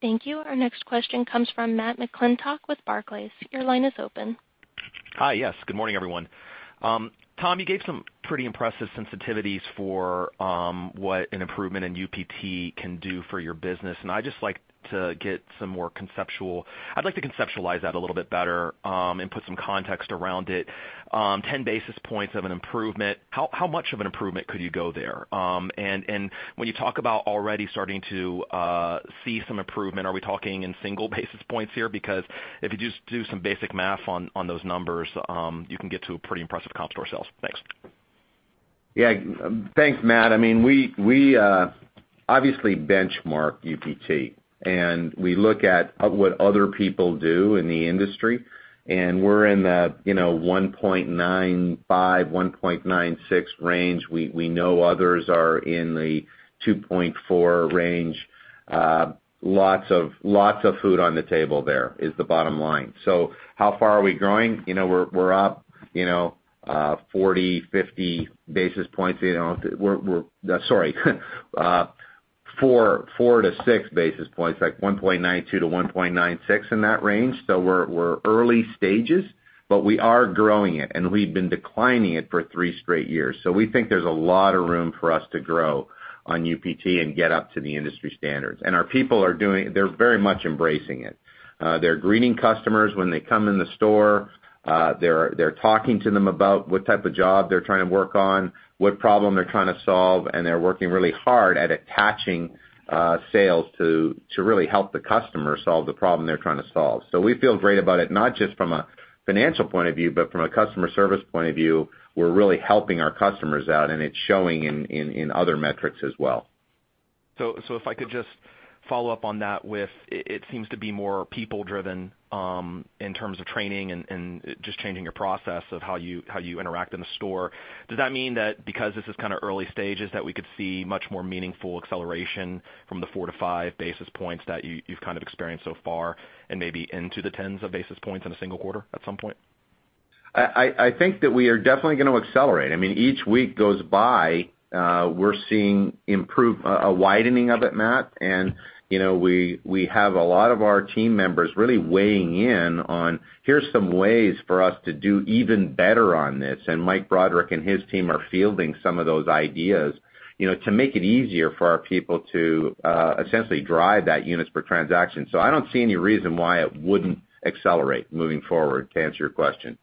Thank you. Our next question comes from Matthew McClintock with Barclays. Your line is open. Hi, yes. Good morning, everyone. Tom, you gave some pretty impressive sensitivities for what an improvement in UPT can do for your business, and I'd like to conceptualize that a little bit better and put some context around it. 10 basis points of an improvement, how much of an improvement could you go there? When you talk about already starting to see some improvement, are we talking in single basis points here? If you just do some basic math on those numbers, you can get to a pretty impressive comp store sales. Thanks. Yeah. Thanks, Matt. We obviously benchmark UPT, and we look at what other people do in the industry, and we're in that 1.95, 1.96 range. We know others are in the 2.4 range. Lots of food on the table there is the bottom line. How far are we growing? We're up 40, 50 basis points. Sorry, four to six basis points, like 1.92 to 1.96 in that range. We're early stages, but we are growing it, and we've been declining it for three straight years. We think there's a lot of room for us to grow on UPT and get up to the industry standards. Our people are very much embracing it. They're greeting customers when they come in the store. They're talking to them about what type of job they're trying to work on, what problem they're trying to solve, and they're working really hard at attaching sales to really help the customer solve the problem they're trying to solve. We feel great about it, not just from a financial point of view, but from a customer service point of view. We're really helping our customers out, and it's showing in other metrics as well. If I could just follow up on that with, it seems to be more people-driven in terms of training and just changing your process of how you interact in the store. Does that mean that because this is early stages, that we could see much more meaningful acceleration from the four to five basis points that you've experienced so far and maybe into the tens of basis points in a single quarter at some point? I think that we are definitely going to accelerate. Each week goes by, we're seeing a widening of it, Matt. We have a lot of our team members really weighing in on, here's some ways for us to do even better on this. Mike Broderick and his team are fielding some of those ideas to make it easier for our people to essentially drive that units per transaction. I don't see any reason why it wouldn't accelerate moving forward, to answer your question.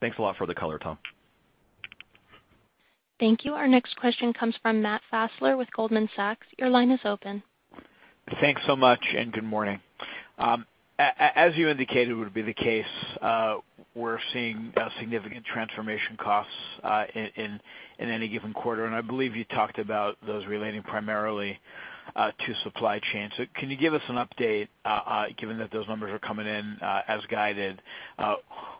Thanks a lot for the color, Tom. Thank you. Our next question comes from Matt Fassler with Goldman Sachs. Your line is open. Thanks so much. Good morning. As you indicated would be the case, we're seeing significant transformation costs in any given quarter. I believe you talked about those relating primarily to supply chain. Can you give us an update, given that those numbers are coming in as guided,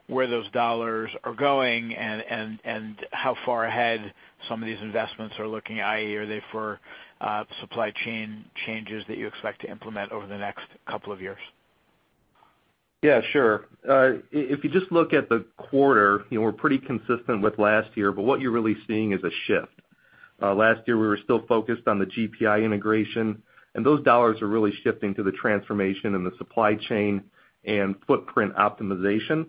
where those dollars are going and how far ahead some of these investments are looking, i.e., are they for supply chain changes that you expect to implement over the next couple of years? Sure. If you just look at the quarter, we're pretty consistent with last year. What you're really seeing is a shift. Last year, we were still focused on the GPI integration. Those dollars are really shifting to the transformation in the supply chain and footprint optimization.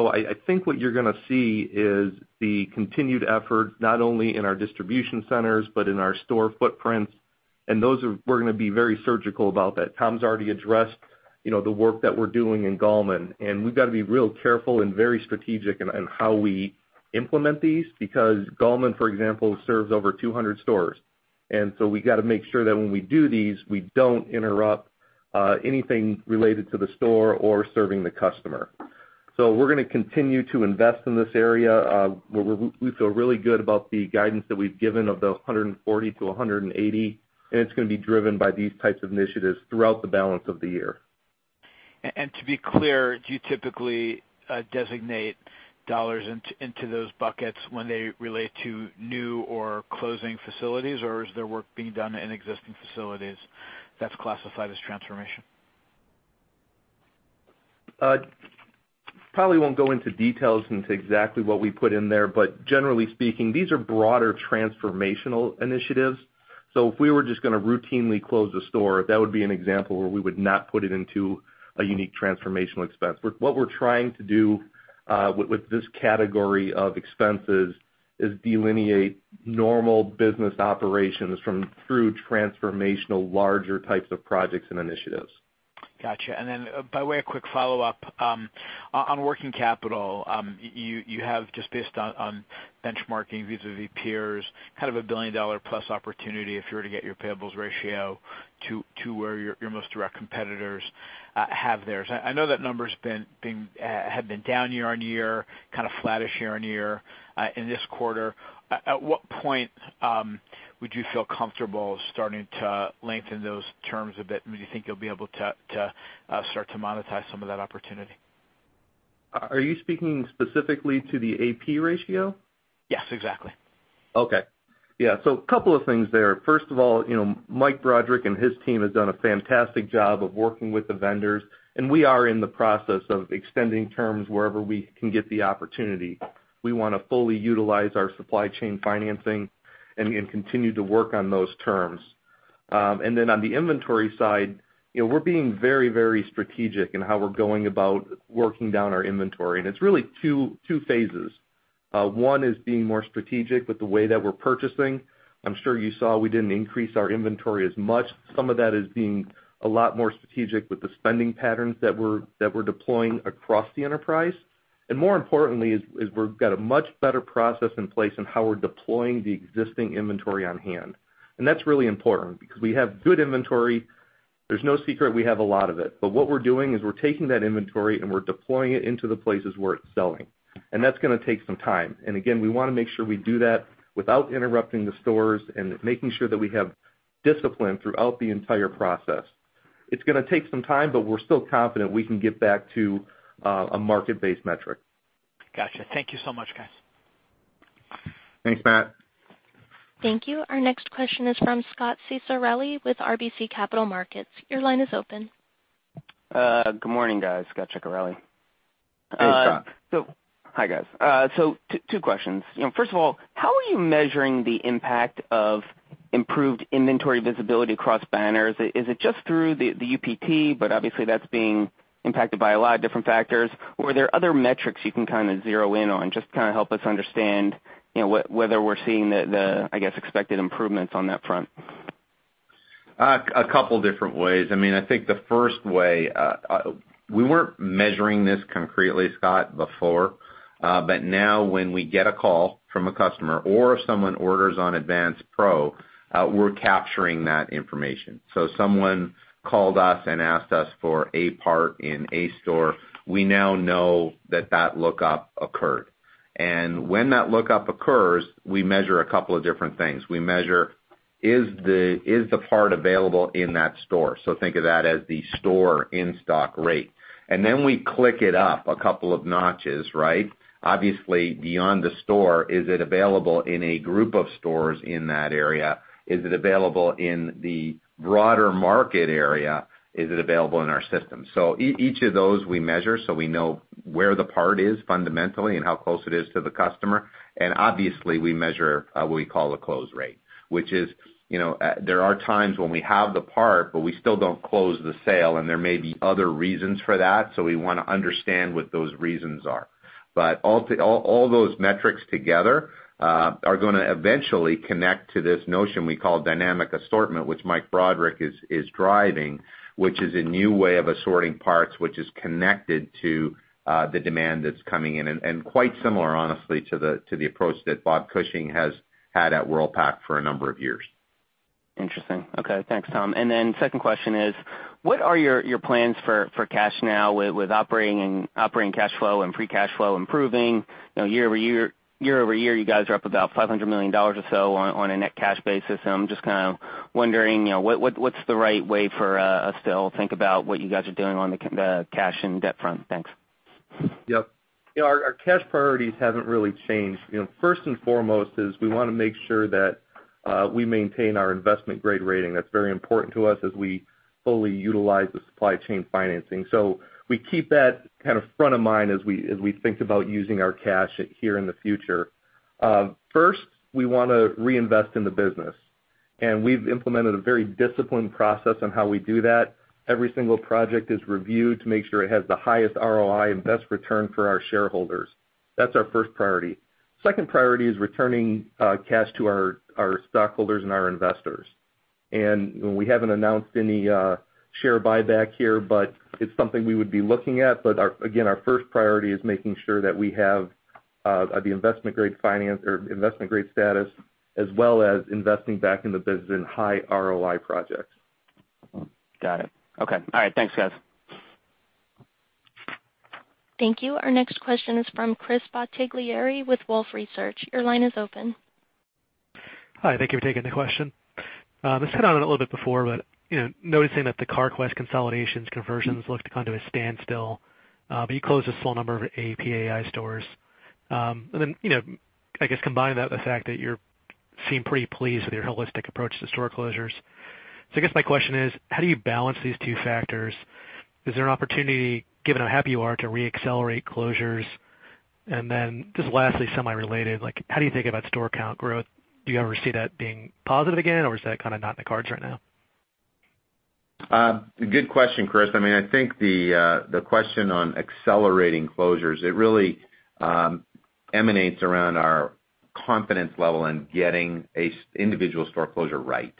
I think what you're going to see is the continued effort, not only in our distribution centers but in our store footprints, and those, we're going to be very surgical about that. Tom's already addressed the work that we're doing in Gallman. We've got to be real careful and very strategic in how we implement these because Gallman, for example, serves over 200 stores. We got to make sure that when we do these, we don't interrupt anything related to the store or serving the customer. We're going to continue to invest in this area. We feel really good about the guidance that we've given of the $140-$180. It's going to be driven by these types of initiatives throughout the balance of the year. To be clear, do you typically designate dollars into those buckets when they relate to new or closing facilities, or is there work being done in existing facilities that's classified as transformation? Probably won't go into details into exactly what we put in there, generally speaking, these are broader transformational initiatives. If we were just going to routinely close a store, that would be an example where we would not put it into a unique transformational expense. What we're trying to do with this category of expenses is delineate normal business operations through transformational larger types of projects and initiatives. Got you. By way of quick follow-up, on working capital, you have just based on benchmarking vis-à-vis peers, have a $1 billion plus opportunity if you were to get your payables ratio to where your most direct competitors have theirs. I know that number had been down year-over-year, kind of flattish year-over-year in this quarter. At what point would you feel comfortable starting to lengthen those terms a bit? When do you think you'll be able to start to monetize some of that opportunity? Are you speaking specifically to the AP ratio? Yes, exactly. Okay. Yeah, a couple of things there. First of all, Mike Broderick and his team have done a fantastic job of working with the vendors. We are in the process of extending terms wherever we can get the opportunity. We want to fully utilize our supply chain financing and continue to work on those terms. On the inventory side, we're being very strategic in how we're going about working down our inventory. It's really 2 phases. One is being more strategic with the way that we're purchasing. I'm sure you saw we didn't increase our inventory as much. Some of that is being a lot more strategic with the spending patterns that we're deploying across the enterprise. More importantly, we've got a much better process in place in how we're deploying the existing inventory on hand. That's really important because we have good inventory. There's no secret we have a lot of it. What we're doing is we're taking that inventory and we're deploying it into the places where it's selling. That's going to take some time. Again, we want to make sure we do that without interrupting the stores and making sure that we have discipline throughout the entire process. It's going to take some time, we're still confident we can get back to a market-based metric. Got you. Thank you so much, guys. Thanks, Matt. Thank you. Our next question is from Scot Ciccarelli with RBC Capital Markets. Your line is open. Good morning, guys. Scot Ciccarelli. Hey, Scot. Hi, guys. Two questions. First of all, how are you measuring the impact of improved inventory visibility across banners? Is it just through the UPT? Obviously, that's being impacted by a lot of different factors. Are there other metrics you can kind of zero in on, just to kind of help us understand whether we're seeing the, I guess, expected improvements on that front? A couple different ways. I think the first way, we weren't measuring this concretely, Scot, before. Now when we get a call from a customer or if someone orders on Advance Pro, we're capturing that information. Someone called us and asked us for a part in a store, we now know that that lookup occurred. When that lookup occurs, we measure a couple of different things. We measure is the part available in that store. Think of that as the store in-stock rate. Then we click it up a couple of notches, right? Obviously, beyond the store, is it available in a group of stores in that area? Is it available in the broader market area? Is it available in our system? Each of those we measure, so we know where the part is fundamentally and how close it is to the customer. Obviously, we measure what we call a close rate. Which is, there are times when we have the part, but we still don't close the sale, and there may be other reasons for that. We want to understand what those reasons are. All those metrics together are going to eventually connect to this notion we call dynamic assortment, which Mike Broderick is driving, which is a new way of assorting parts, which is connected to the demand that's coming in, and quite similar, honestly, to the approach that Bob Cushing has had at Worldpac for a number of years. Interesting. Okay. Thanks, Tom. Second question is, what are your plans for cash now with operating cash flow and free cash flow improving? Year-over-year, you guys are up about $500 million or so on a net cash basis. I'm just kind of wondering, what's the right way for us to all think about what you guys are doing on the cash and debt front? Thanks. Yep. Our cash priorities haven't really changed. First and foremost is we want to make sure that we maintain our investment-grade rating. That's very important to us as we fully utilize the supply chain financing. We keep that kind of front of mind as we think about using our cash here in the future. First, we want to reinvest in the business, and we've implemented a very disciplined process on how we do that. Every single project is reviewed to make sure it has the highest ROI and best return for our shareholders. That's our first priority. Second priority is returning cash to our stockholders and our investors. We haven't announced any share buyback here, but it's something we would be looking at. Again, our first priority is making sure that we have the investment-grade status, as well as investing back in the business in high ROI projects. Got it. Okay. All right. Thanks, guys. Thank you. Our next question is from Chris Bottiglieri with Wolfe Research. Your line is open. Hi, thank you for taking the question. Noticing that the Carquest consolidations conversions looked kind of at a standstill, you closed a small number of APAI stores. I guess combining that with the fact that you seem pretty pleased with your holistic approach to store closures. I guess my question is, how do you balance these two factors? Is there an opportunity, given how happy you are, to re-accelerate closures? Just lastly, semi-related, how do you think about store count growth? Do you ever see that being positive again, or is that kind of not in the cards right now? Good question, Chris. I think the question on accelerating closures, it really emanates around our confidence level in getting an individual store closure right.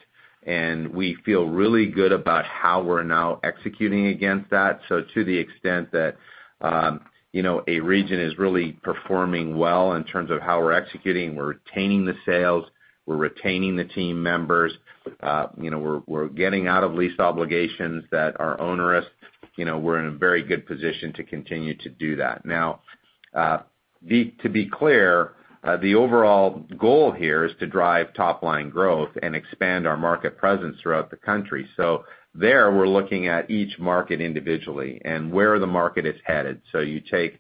We feel really good about how we're now executing against that. To the extent that a region is really performing well in terms of how we're executing, we're retaining the sales, we're retaining the team members, we're getting out of lease obligations that are onerous. We're in a very good position to continue to do that. Now, to be clear, the overall goal here is to drive top-line growth and expand our market presence throughout the country. There, we're looking at each market individually and where the market is headed. You take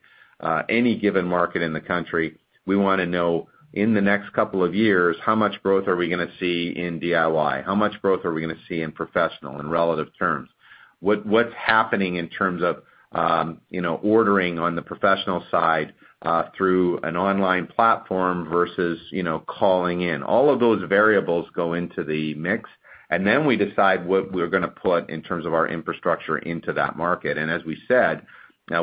any given market in the country, we want to know in the next couple of years, how much growth are we going to see in DIY? How much growth are we going to see in professional in relative terms? What's happening in terms of ordering on the professional side through an online platform versus calling in? All of those variables go into the mix. Then we decide what we're going to put in terms of our infrastructure into that market. As we said,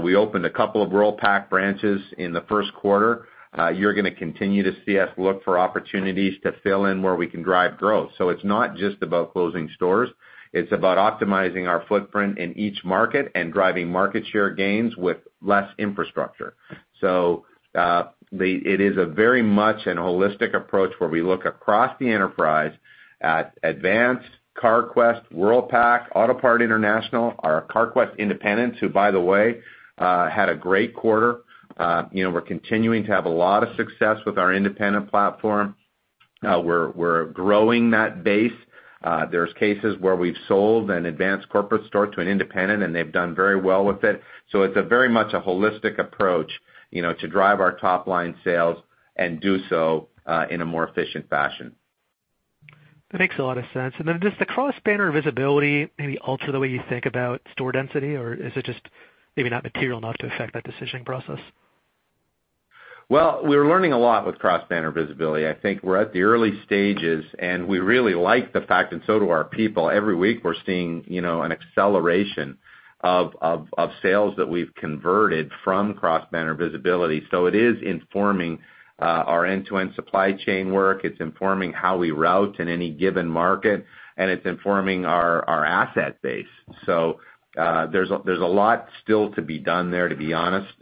we opened a couple of Worldpac branches in the first quarter. You're going to continue to see us look for opportunities to fill in where we can drive growth. It's not just about closing stores, it's about optimizing our footprint in each market and driving market share gains with less infrastructure. It is a very much an holistic approach where we look across the enterprise at Advance, Carquest, Worldpac, Autopart International, our Carquest independents, who by the way, had a great quarter. We're continuing to have a lot of success with our independent platform. We're growing that base. There's cases where we've sold an Advance corporate store to an independent, and they've done very well with it. It's a very much a holistic approach, to drive our top-line sales and do so, in a more efficient fashion. That makes a lot of sense. Does the Cross-Banner Visibility maybe alter the way you think about store density, or is it just maybe not material enough to affect that decision process? Well, we're learning a lot with Cross-Banner Visibility. I think we're at the early stages, and we really like the fact, and so do our people. Every week, we're seeing an acceleration of sales that we've converted from Cross-Banner Visibility. It is informing our end-to-end supply chain work. It's informing how we route in any given market, and it's informing our asset base. There's a lot still to be done there, to be honest.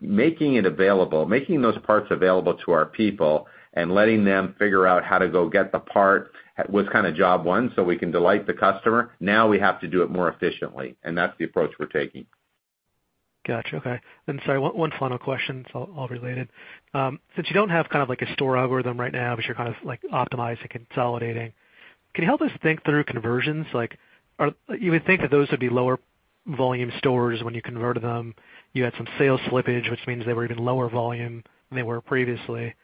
Making it available, making those parts available to our people and letting them figure out how to go get the part was kind of job one so we can delight the customer. Now we have to do it more efficiently, and that's the approach we're taking. Got you. Okay. Sorry, one final question. It's all related. Since you don't have kind of like a store algorithm right now, but you're kind of optimizing, consolidating. Can you help us think through conversions? You would think that those would be lower volume stores when you converted them. You had some sales slippage, which means they were even lower volume than they were previously.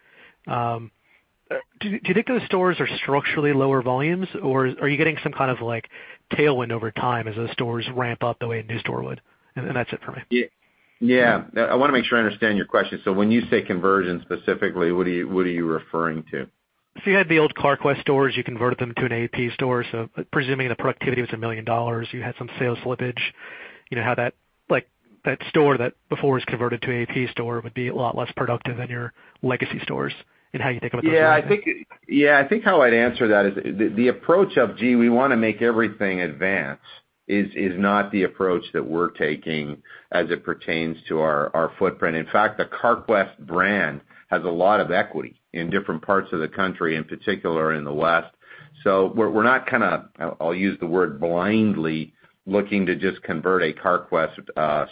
Do you think those stores are structurally lower volumes, or are you getting some kind of tailwind over time as those stores ramp up the way a new store would? That's it for me. I want to make sure I understand your question. When you say conversion, specifically, what are you referring to? If you had the old Carquest stores, you converted them to an AAP store. Presuming the productivity was $1 million, you had some sales slippage. You know how that store that before was converted to an AAP store would be a lot less productive than your legacy stores and how you think about the conversion. I think how I'd answer that is the approach of, gee, we want to make everything Advance is not the approach that we're taking as it pertains to our footprint. In fact, the Carquest brand has a lot of equity in different parts of the country, in particular in the West. We're not kind of, I'll use the word blindly, looking to just convert a Carquest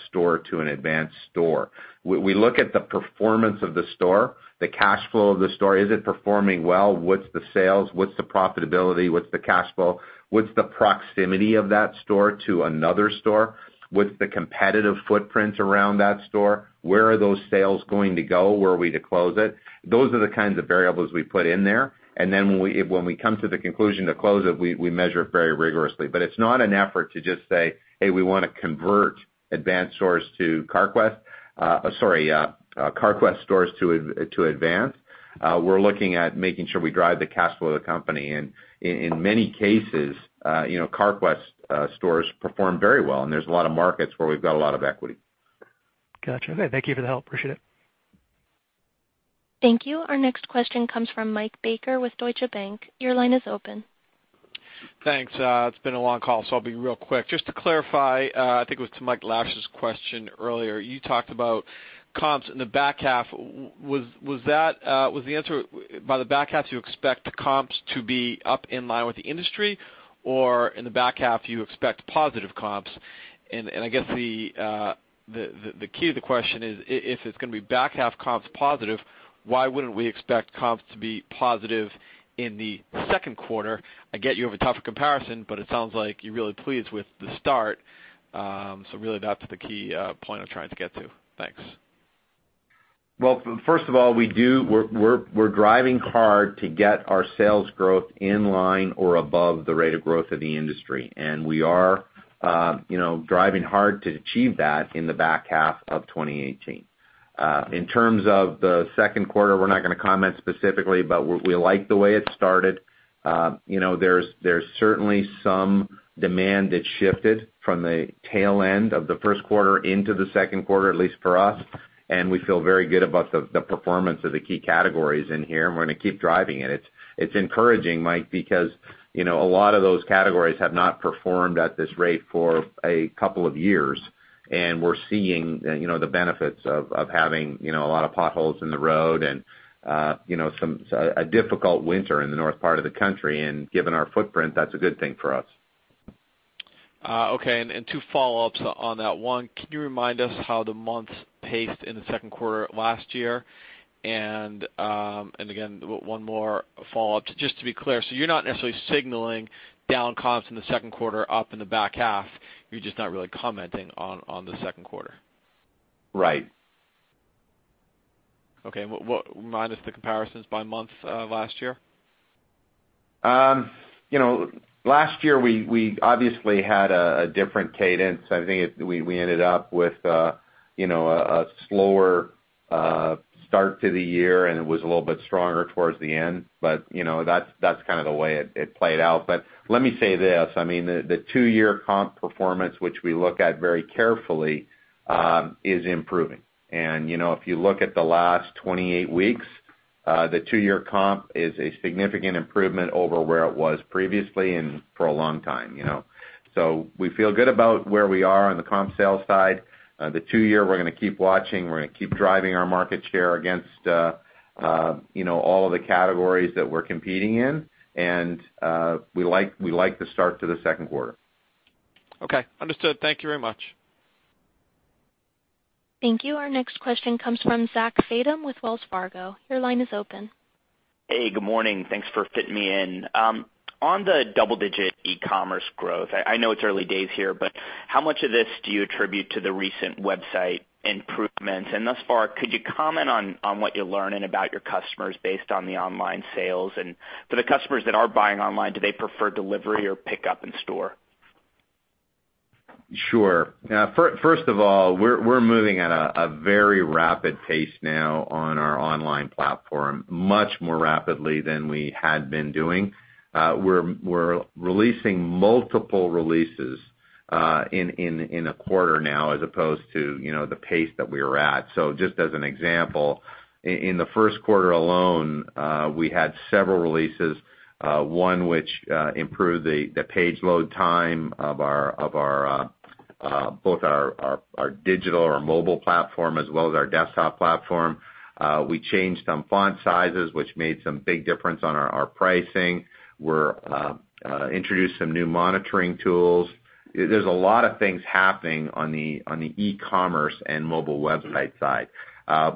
store to an Advance store. We look at the performance of the store, the cash flow of the store. Is it performing well? What's the sales? What's the profitability? What's the cash flow? What's the proximity of that store to another store? What's the competitive footprint around that store? Where are those sales going to go? Where are we to close it? Those are the kinds of variables we put in there. When we come to the conclusion to close it, we measure it very rigorously. It's not an effort to just say, "Hey, we want to convert Advance stores to Carquest." Sorry, Carquest stores to Advance. We're looking at making sure we drive the cash flow of the company. In many cases, Carquest stores perform very well, and there's a lot of markets where we've got a lot of equity. Got you. Okay. Thank you for the help. Appreciate it. Thank you. Our next question comes from Michael Baker with Deutsche Bank. Your line is open. Thanks. It's been a long call, so I'll be real quick. Just to clarify, I think it was to Mike Lasser's question earlier. You talked about comps in the back half. Was the answer by the back half, do you expect the comps to be up in line with the industry, or in the back half, do you expect positive comps? I guess the key to the question is, if it's going to be back half comps positive, why wouldn't we expect comps to be positive in the second quarter? I get you have a tougher comparison, but it sounds like you're really pleased with the start. Really that's the key point I'm trying to get to. Thanks. First of all, we're driving hard to get our sales growth in line or above the rate of growth of the industry. We are driving hard to achieve that in the back half of 2018. In terms of the second quarter, we're not going to comment specifically, but we like the way it started. There's certainly some demand that shifted from the tail end of the first quarter into the second quarter, at least for us, and we feel very good about the performance of the key categories in here, and we're going to keep driving it. It's encouraging, Mike, because a lot of those categories have not performed at this rate for a couple of years, and we're seeing the benefits of having a lot of potholes in the road and a difficult winter in the north part of the country. Given our footprint, that's a good thing for us. Two follow-ups on that. One, can you remind us how the months paced in the second quarter last year? Again, one more follow-up, just to be clear. You're not necessarily signaling down comps in the second quarter, up in the back half. You're just not really commenting on the second quarter. Right. Remind us the comparisons by month last year. Last year, we obviously had a different cadence. I think we ended up with a slower start to the year, and it was a little bit stronger towards the end, that's kind of the way it played out. Let me say this, the two-year comp performance, which we look at very carefully, is improving. If you look at the last 28 weeks, the two-year comp is a significant improvement over where it was previously and for a long time. We feel good about where we are on the comp sales side. The two year, we're going to keep watching, we're going to keep driving our market share against all of the categories that we're competing in. We like the start to the second quarter. Okay, understood. Thank you very much. Thank you. Our next question comes from Zachary Fadem with Wells Fargo. Your line is open. Hey, good morning. Thanks for fitting me in. On the double-digit e-commerce growth, I know it's early days here, but how much of this do you attribute to the recent website improvements? Thus far, could you comment on what you're learning about your customers based on the online sales? For the customers that are buying online, do they prefer delivery or pickup in store? Sure. First of all, we're moving at a very rapid pace now on our online platform, much more rapidly than we had been doing. We're releasing multiple releases in a quarter now as opposed to the pace that we were at. Just as an example, in the first quarter alone, we had several releases, one which improved the page load time of both our digital, our mobile platform, as well as our desktop platform. We changed some font sizes, which made some big difference on our pricing. We introduced some new monitoring tools. There's a lot of things happening on the e-commerce and mobile website side.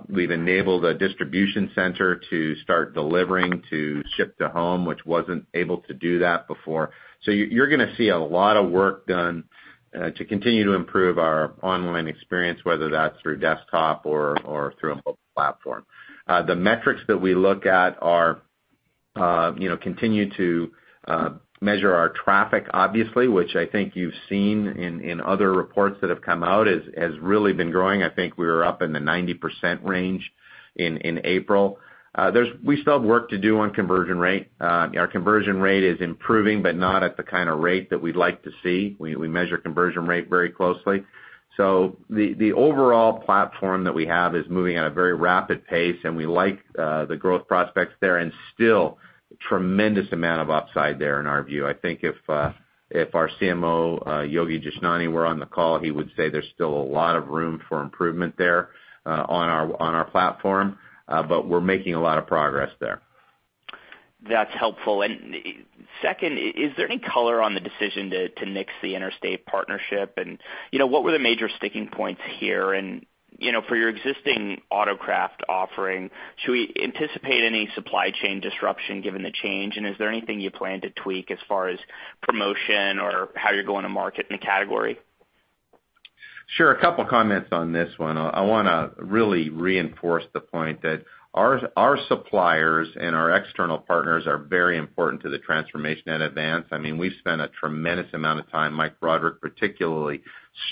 We've enabled a distribution center to start delivering to ship to home, which wasn't able to do that before. You're going to see a lot of work done to continue to improve our online experience, whether that's through desktop or through a mobile platform. The metrics that we look at continue to measure our traffic, obviously, which I think you've seen in other reports that have come out, has really been growing. I think we were up in the 90% range in April. We still have work to do on conversion rate. Our conversion rate is improving, but not at the kind of rate that we'd like to see. We measure conversion rate very closely. The overall platform that we have is moving at a very rapid pace, and we like the growth prospects there, and still tremendous amount of upside there in our view. I think if our CMO, Yogi Jashnani, were on the call, he would say there's still a lot of room for improvement there on our platform. We're making a lot of progress there. That's helpful. Second, is there any color on the decision to nix the Interstate partnership? What were the major sticking points here? For your existing AutoCraft offering, should we anticipate any supply chain disruption given the change? Is there anything you plan to tweak as far as promotion or how you're going to market in the category? Sure. A couple comments on this one. I want to really reinforce the point that our suppliers and our external partners are very important to the transformation at Advance. We've spent a tremendous amount of time, Mike Broderick particularly,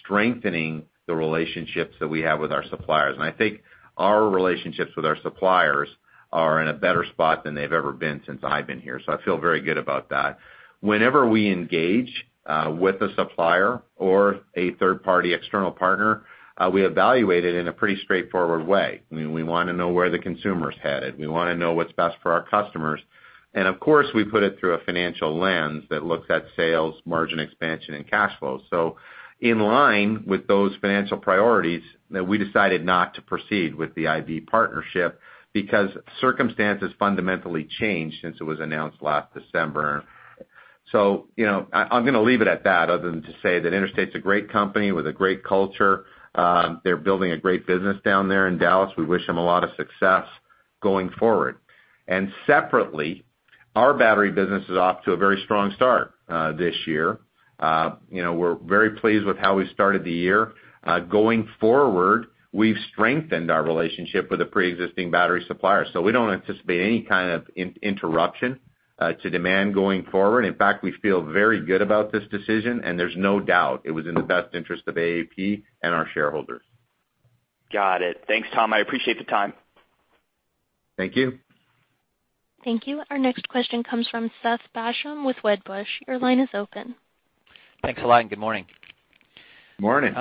strengthening the relationships that we have with our suppliers. I think our relationships with our suppliers are in a better spot than they've ever been since I've been here. I feel very good about that. Whenever we engage with a supplier or a third-party external partner, we evaluate it in a pretty straightforward way. We want to know where the consumer's headed. We want to know what's best for our customers. Of course, we put it through a financial lens that looks at sales, margin expansion, and cash flow. In line with those financial priorities, we decided not to proceed with the IB partnership because circumstances fundamentally changed since it was announced last December. I'm going to leave it at that, other than to say that Interstate's a great company with a great culture. They're building a great business down there in Dallas. We wish them a lot of success going forward. Separately, our battery business is off to a very strong start this year. We're very pleased with how we started the year. Going forward, we've strengthened our relationship with a preexisting battery supplier, so we don't anticipate any kind of interruption to demand going forward. In fact, we feel very good about this decision, and there's no doubt it was in the best interest of AAP and our shareholders. Got it. Thanks, Tom. I appreciate the time. Thank you. Thank you. Our next question comes from Seth Basham with Wedbush. Your line is open. Thanks a lot. Good morning. Morning.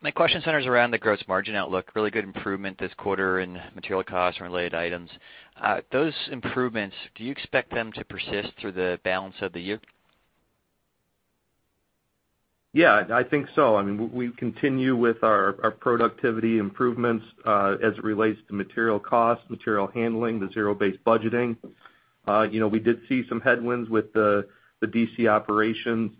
My question centers around the gross margin outlook. Really good improvement this quarter in material costs and related items. Those improvements, do you expect them to persist through the balance of the year? Yeah, I think so. We continue with our productivity improvements as it relates to material cost, material handling, the zero-based budgeting. We did see some headwinds with the DC operations.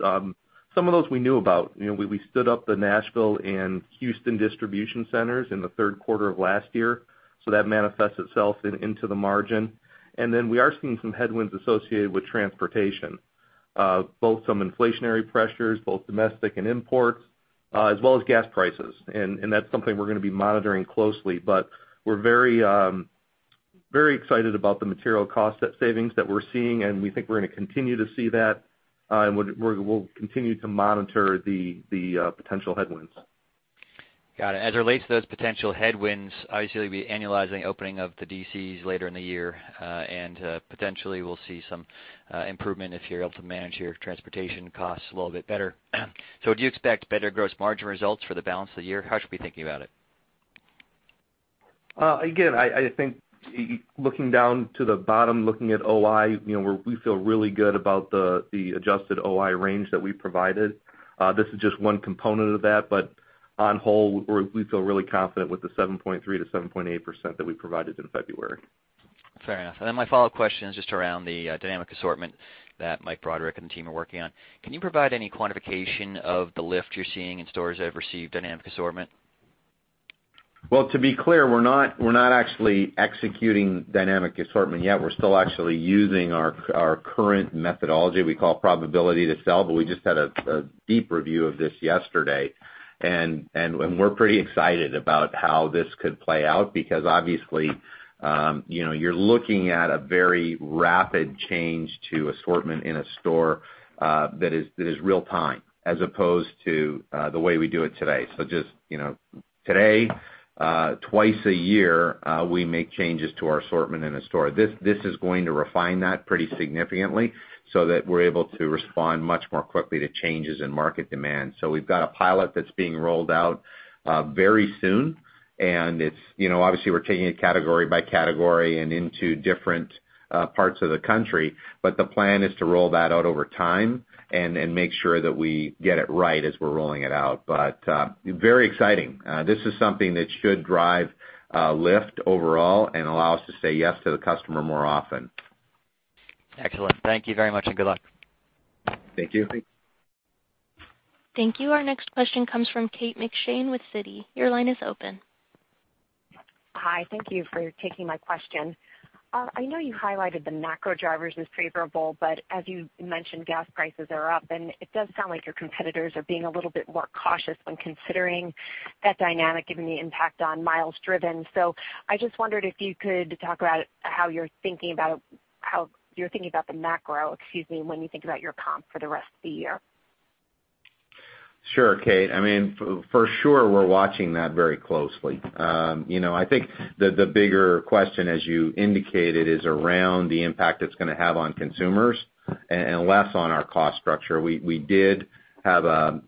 Some of those we knew about. We stood up the Nashville and Houston distribution centers in the third quarter of last year. That manifests itself into the margin. We are seeing some headwinds associated with transportation. Both some inflationary pressures, both domestic and imports, as well as gas prices. That's something we're going to be monitoring closely. Very excited about the material cost savings that we're seeing, and we think we're going to continue to see that, and we'll continue to monitor the potential headwinds. Got it. As it relates to those potential headwinds, obviously, we annualize the opening of the DCs later in the year, and potentially we'll see some improvement if you're able to manage your transportation costs a little bit better. Do you expect better gross margin results for the balance of the year? How should we be thinking about it? Again, I think looking down to the bottom, looking at OI, we feel really good about the adjusted OI range that we provided. This is just one component of that, but on whole, we feel really confident with the 7.3%-7.8% that we provided in February. Fair enough. My follow-up question is just around the dynamic assortment that Mike Broderick and the team are working on. Can you provide any quantification of the lift you're seeing in stores that have received dynamic assortment? Well, to be clear, we're not actually executing dynamic assortment yet. We're still actually using our current methodology we call probability to sell. We just had a deep review of this yesterday, and we're pretty excited about how this could play out, because obviously you're looking at a very rapid change to assortment in a store that is real time, as opposed to the way we do it today. Just today, twice a year, we make changes to our assortment in a store. This is going to refine that pretty significantly so that we're able to respond much more quickly to changes in market demand. We've got a pilot that's being rolled out very soon, and obviously we're taking it category by category and into different parts of the country. The plan is to roll that out over time and make sure that we get it right as we're rolling it out. Very exciting. This is something that should drive lift overall and allow us to say yes to the customer more often. Excellent. Thank you very much, and good luck. Thank you. Thank you. Our next question comes from Kate McShane with Citi. Your line is open. Hi. Thank you for taking my question. I know you highlighted the macro drivers as favorable, but as you mentioned, gas prices are up, and it does sound like your competitors are being a little bit more cautious when considering that dynamic, given the impact on miles driven. I just wondered if you could talk about how you're thinking about the macro, excuse me, when you think about your comp for the rest of the year. Sure, Kate. For sure, we're watching that very closely. I think the bigger question, as you indicated, is around the impact it's going to have on consumers and less on our cost structure. We did have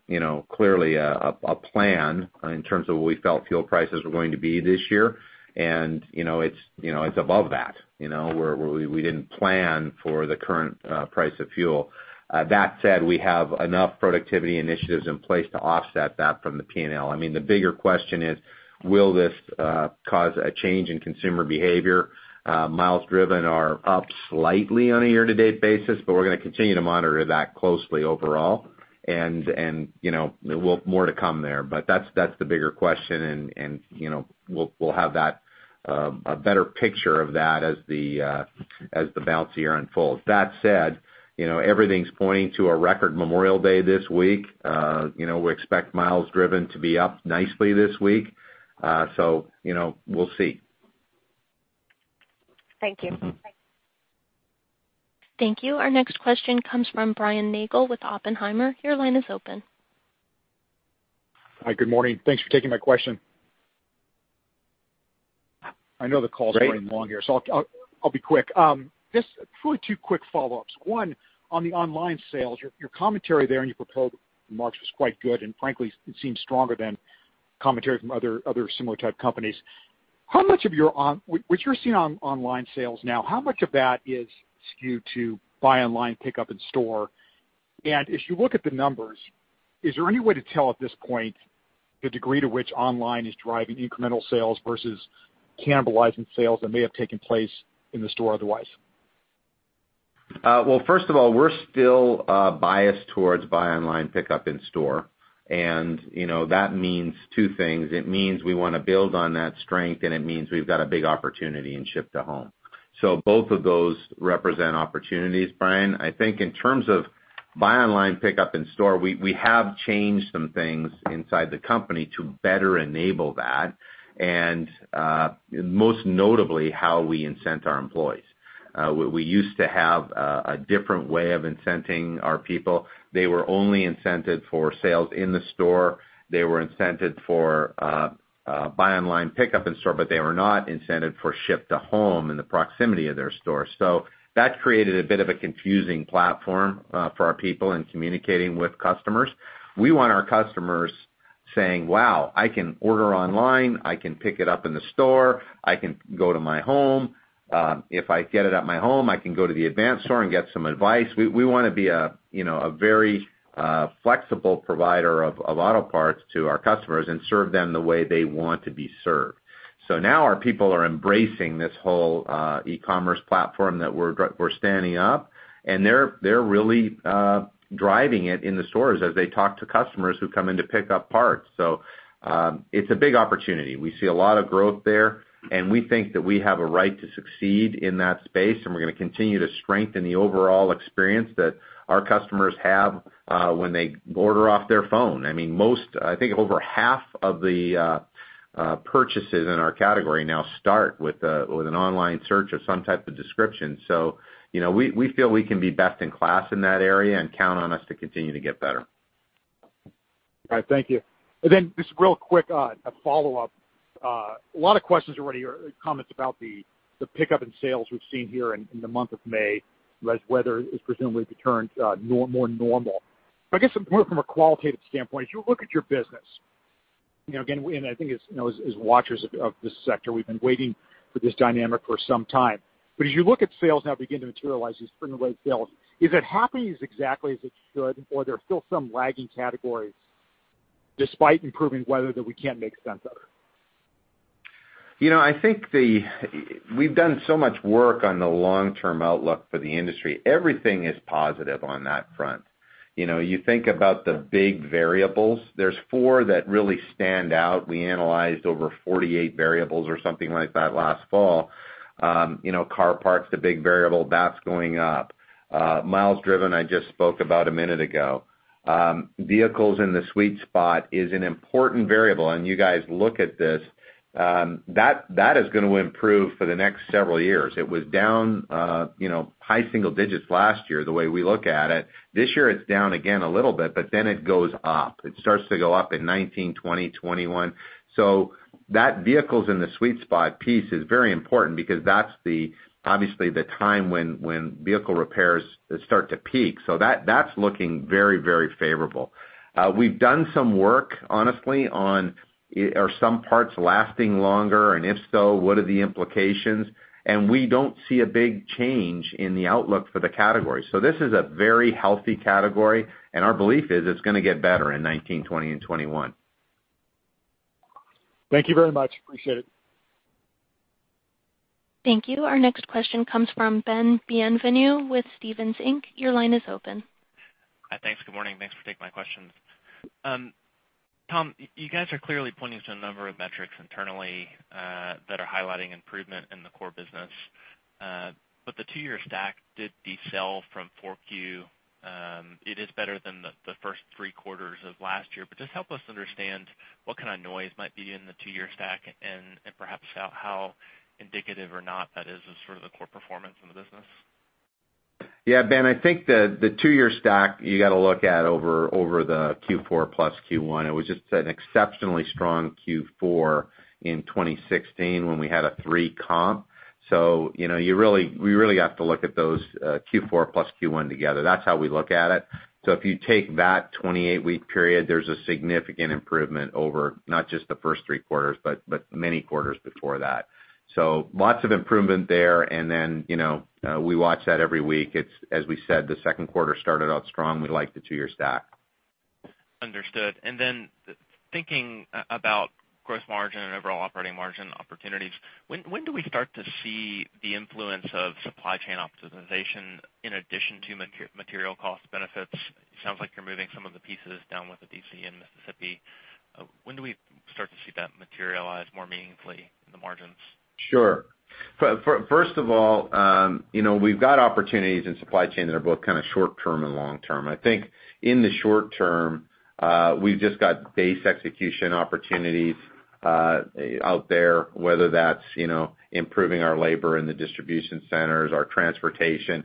clearly a plan in terms of what we felt fuel prices were going to be this year, and it's above that. We didn't plan for the current price of fuel. That said, we have enough productivity initiatives in place to offset that from the P&L. The bigger question is, will this cause a change in consumer behavior? Miles driven are up slightly on a year-to-date basis, but we're going to continue to monitor that closely overall. More to come there, but that's the bigger question, and we'll have a better picture of that as the bouncy year unfolds. That said, everything's pointing to a record Memorial Day this week. We expect miles driven to be up nicely this week, so we'll see. Thank you. Thank you. Our next question comes from Brian Nagel with Oppenheimer. Your line is open. Hi, good morning. Thanks for taking my question. I know the Great running long here, so I'll be quick. Just really two quick follow-ups. One, on the online sales, your commentary there and your propelled in March was quite good, and frankly, it seemed stronger than commentary from other similar type companies. What you're seeing on online sales now, how much of that is skewed to buy online, pick up in store? If you look at the numbers, is there any way to tell at this point the degree to which online is driving incremental sales versus cannibalizing sales that may have taken place in the store otherwise? Well, first of all, we're still biased towards buy online, pick up in store. That means two things. It means we want to build on that strength, and it means we've got a big opportunity in ship to home. Both of those represent opportunities, Brian. I think in terms of buy online, pick up in store, we have changed some things inside the company to better enable that, and most notably, how we incent our employees. We used to have a different way of incenting our people. They were only incented for sales in the store. They were incented for buy online, pickup in store, but they were not incented for ship to home in the proximity of their store. That created a bit of a confusing platform for our people in communicating with customers. We want our customers saying, "Wow, I can order online. I can pick it up in the store. I can go to my home. If I get it at my home, I can go to the Advance store and get some advice." We want to be a very flexible provider of auto parts to our customers and serve them the way they want to be served. Now our people are embracing this whole e-commerce platform that we're standing up, and they're really driving it in the stores as they talk to customers who come in to pick up parts. It's a big opportunity. We see a lot of growth there, and we think that we have a right to succeed in that space, and we're going to continue to strengthen the overall experience that our customers have when they order off their phone. I think over half of the purchases in our category now start with an online search of some type of description. We feel we can be best in class in that area and count on us to continue to get better. All right. Thank you. Just real quick, a follow-up. A lot of questions already, or comments about the pickup in sales we've seen here in the month of May, as weather is presumably returned more normal. I guess more from a qualitative standpoint, as you look at your business, again, and I think as watchers of this sector, we've been waiting for this dynamic for some time. As you look at sales now begin to materialize these spring-like sales, is it happening as exactly as it should, or are there still some lagging categories despite improving weather that we can't make sense of? I think we've done so much work on the long-term outlook for the industry. Everything is positive on that front. You think about the big variables. There's four that really stand out. We analyzed over 48 variables or something like that last fall. Car parc, the big variable, that's going up. Miles driven, I just spoke about a minute ago. Vehicles in the sweet spot is an important variable. You guys look at this, that is going to improve for the next several years. It was down high single digits last year, the way we look at it. This year, it's down again a little bit, it goes up. It starts to go up in 2019, 2020, 2021. That vehicle's in the sweet spot piece is very important because that's obviously the time when vehicle repairs start to peak. That's looking very favorable. We've done some work, honestly, on are some parts lasting longer, and if so, what are the implications? We don't see a big change in the outlook for the category. This is a very healthy category, and our belief is it's going to get better in 2019, 2020, and 2021. Thank you very much. Appreciate it. Thank you. Our next question comes from Ben Bienvenu with Stephens Inc. Your line is open. Thanks. Good morning. Thanks for taking my questions. Tom, you guys are clearly pointing to a number of metrics internally that are highlighting improvement in the core business. The two-year stack did decel from 4Q. It is better than the first three quarters of last year. Just help us understand what kind of noise might be in the two-year stack and perhaps how indicative or not that is as for the core performance in the business. Ben, I think the two-year stack, you have to look at over the Q4 plus Q1. It was just an exceptionally strong Q4 in 2016 when we had a three comp. We really have to look at those Q4 plus Q1 together. That's how we look at it. If you take that 28-week period, there's a significant improvement over not just the first three quarters, but many quarters before that. Lots of improvement there, and then we watch that every week. As we said, the second quarter started out strong. We like the two-year stack. Understood. Thinking about gross margin and overall operating margin opportunities, when do we start to see the influence of supply chain optimization in addition to material cost benefits? It sounds like you're moving some of the pieces down with the DC in Mississippi. When do we start to see that materialize more meaningfully in the margins? Sure. First of all, we've got opportunities in supply chain that are both short-term and long-term. I think in the short-term, we've just got base execution opportunities out there, whether that's improving our labor in the distribution centers, our transportation.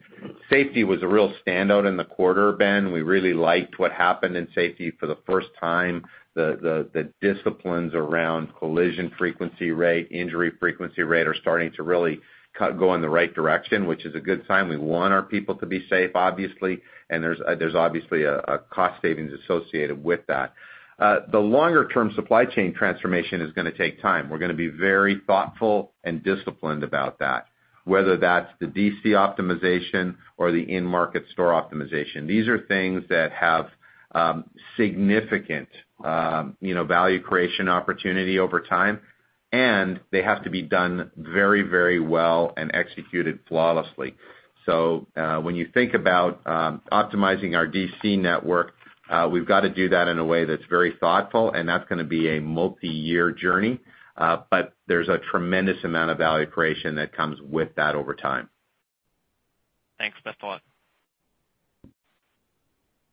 Safety was a real standout in the quarter, Ben. We really liked what happened in safety for the first time. The disciplines around collision frequency rate, injury frequency rate are starting to really go in the right direction, which is a good sign. We want our people to be safe, obviously, and there's obviously a cost savings associated with that. The longer-term supply chain transformation is going to take time. We're going to be very thoughtful and disciplined about that, whether that's the DC optimization or the in-market store optimization. These are things that have significant value creation opportunity over time, they have to be done very well and executed flawlessly. When you think about optimizing our DC network, we've got to do that in a way that's very thoughtful, and that's going to be a multi-year journey. There's a tremendous amount of value creation that comes with that over time. Thanks for the thought.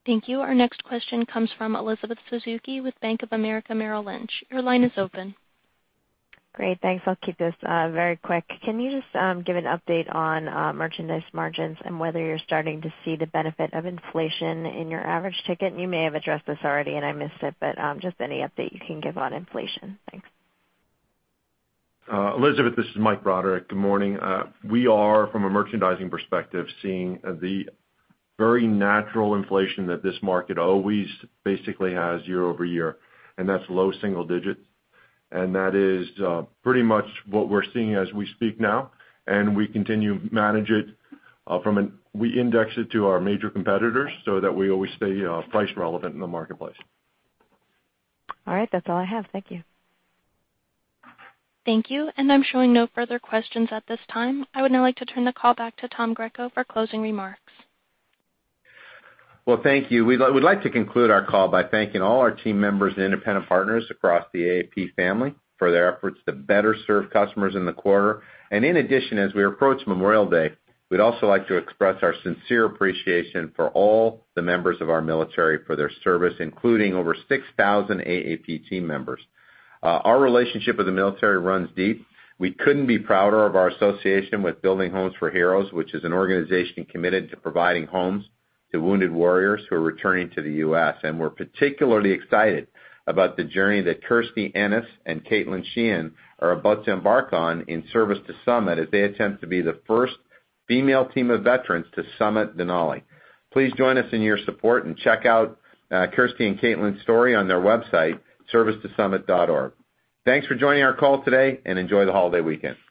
Thank you. Our next question comes from Elizabeth Suzuki with Bank of America Merrill Lynch. Your line is open. Great. Thanks. I'll keep this very quick. Can you just give an update on merchandise margins and whether you're starting to see the benefit of inflation in your average ticket? You may have addressed this already and I missed it, but just any update you can give on inflation. Thanks. Elizabeth, this is Mike Broderick. Good morning. We are, from a merchandising perspective, seeing the very natural inflation that this market always basically has year-over-year, and that's low single digits. That is pretty much what we're seeing as we speak now, and we continue to manage it. We index it to our major competitors so that we always stay price relevant in the marketplace. All right. That's all I have. Thank you. Thank you. I'm showing no further questions at this time. I would now like to turn the call back to Tom Greco for closing remarks. Well, thank you. We'd like to conclude our call by thanking all our team members and independent partners across the AAP family for their efforts to better serve customers in the quarter. In addition, as we approach Memorial Day, we'd also like to express our sincere appreciation for all the members of our military for their service, including over 6,000 AAP team members. Our relationship with the military runs deep. We couldn't be prouder of our association with Building Homes for Heroes, which is an organization committed to providing homes to wounded warriors who are returning to the U.S., and we're particularly excited about the journey that Kirstie Ennis and Katelyn Sheehan are about to embark on in Service to Summit as they attempt to be the first female team of veterans to summit Denali. Please join us in your support and check out Kirstie and Katelyn's story on their website, servicetosummit.org. Thanks for joining our call today, and enjoy the holiday weekend.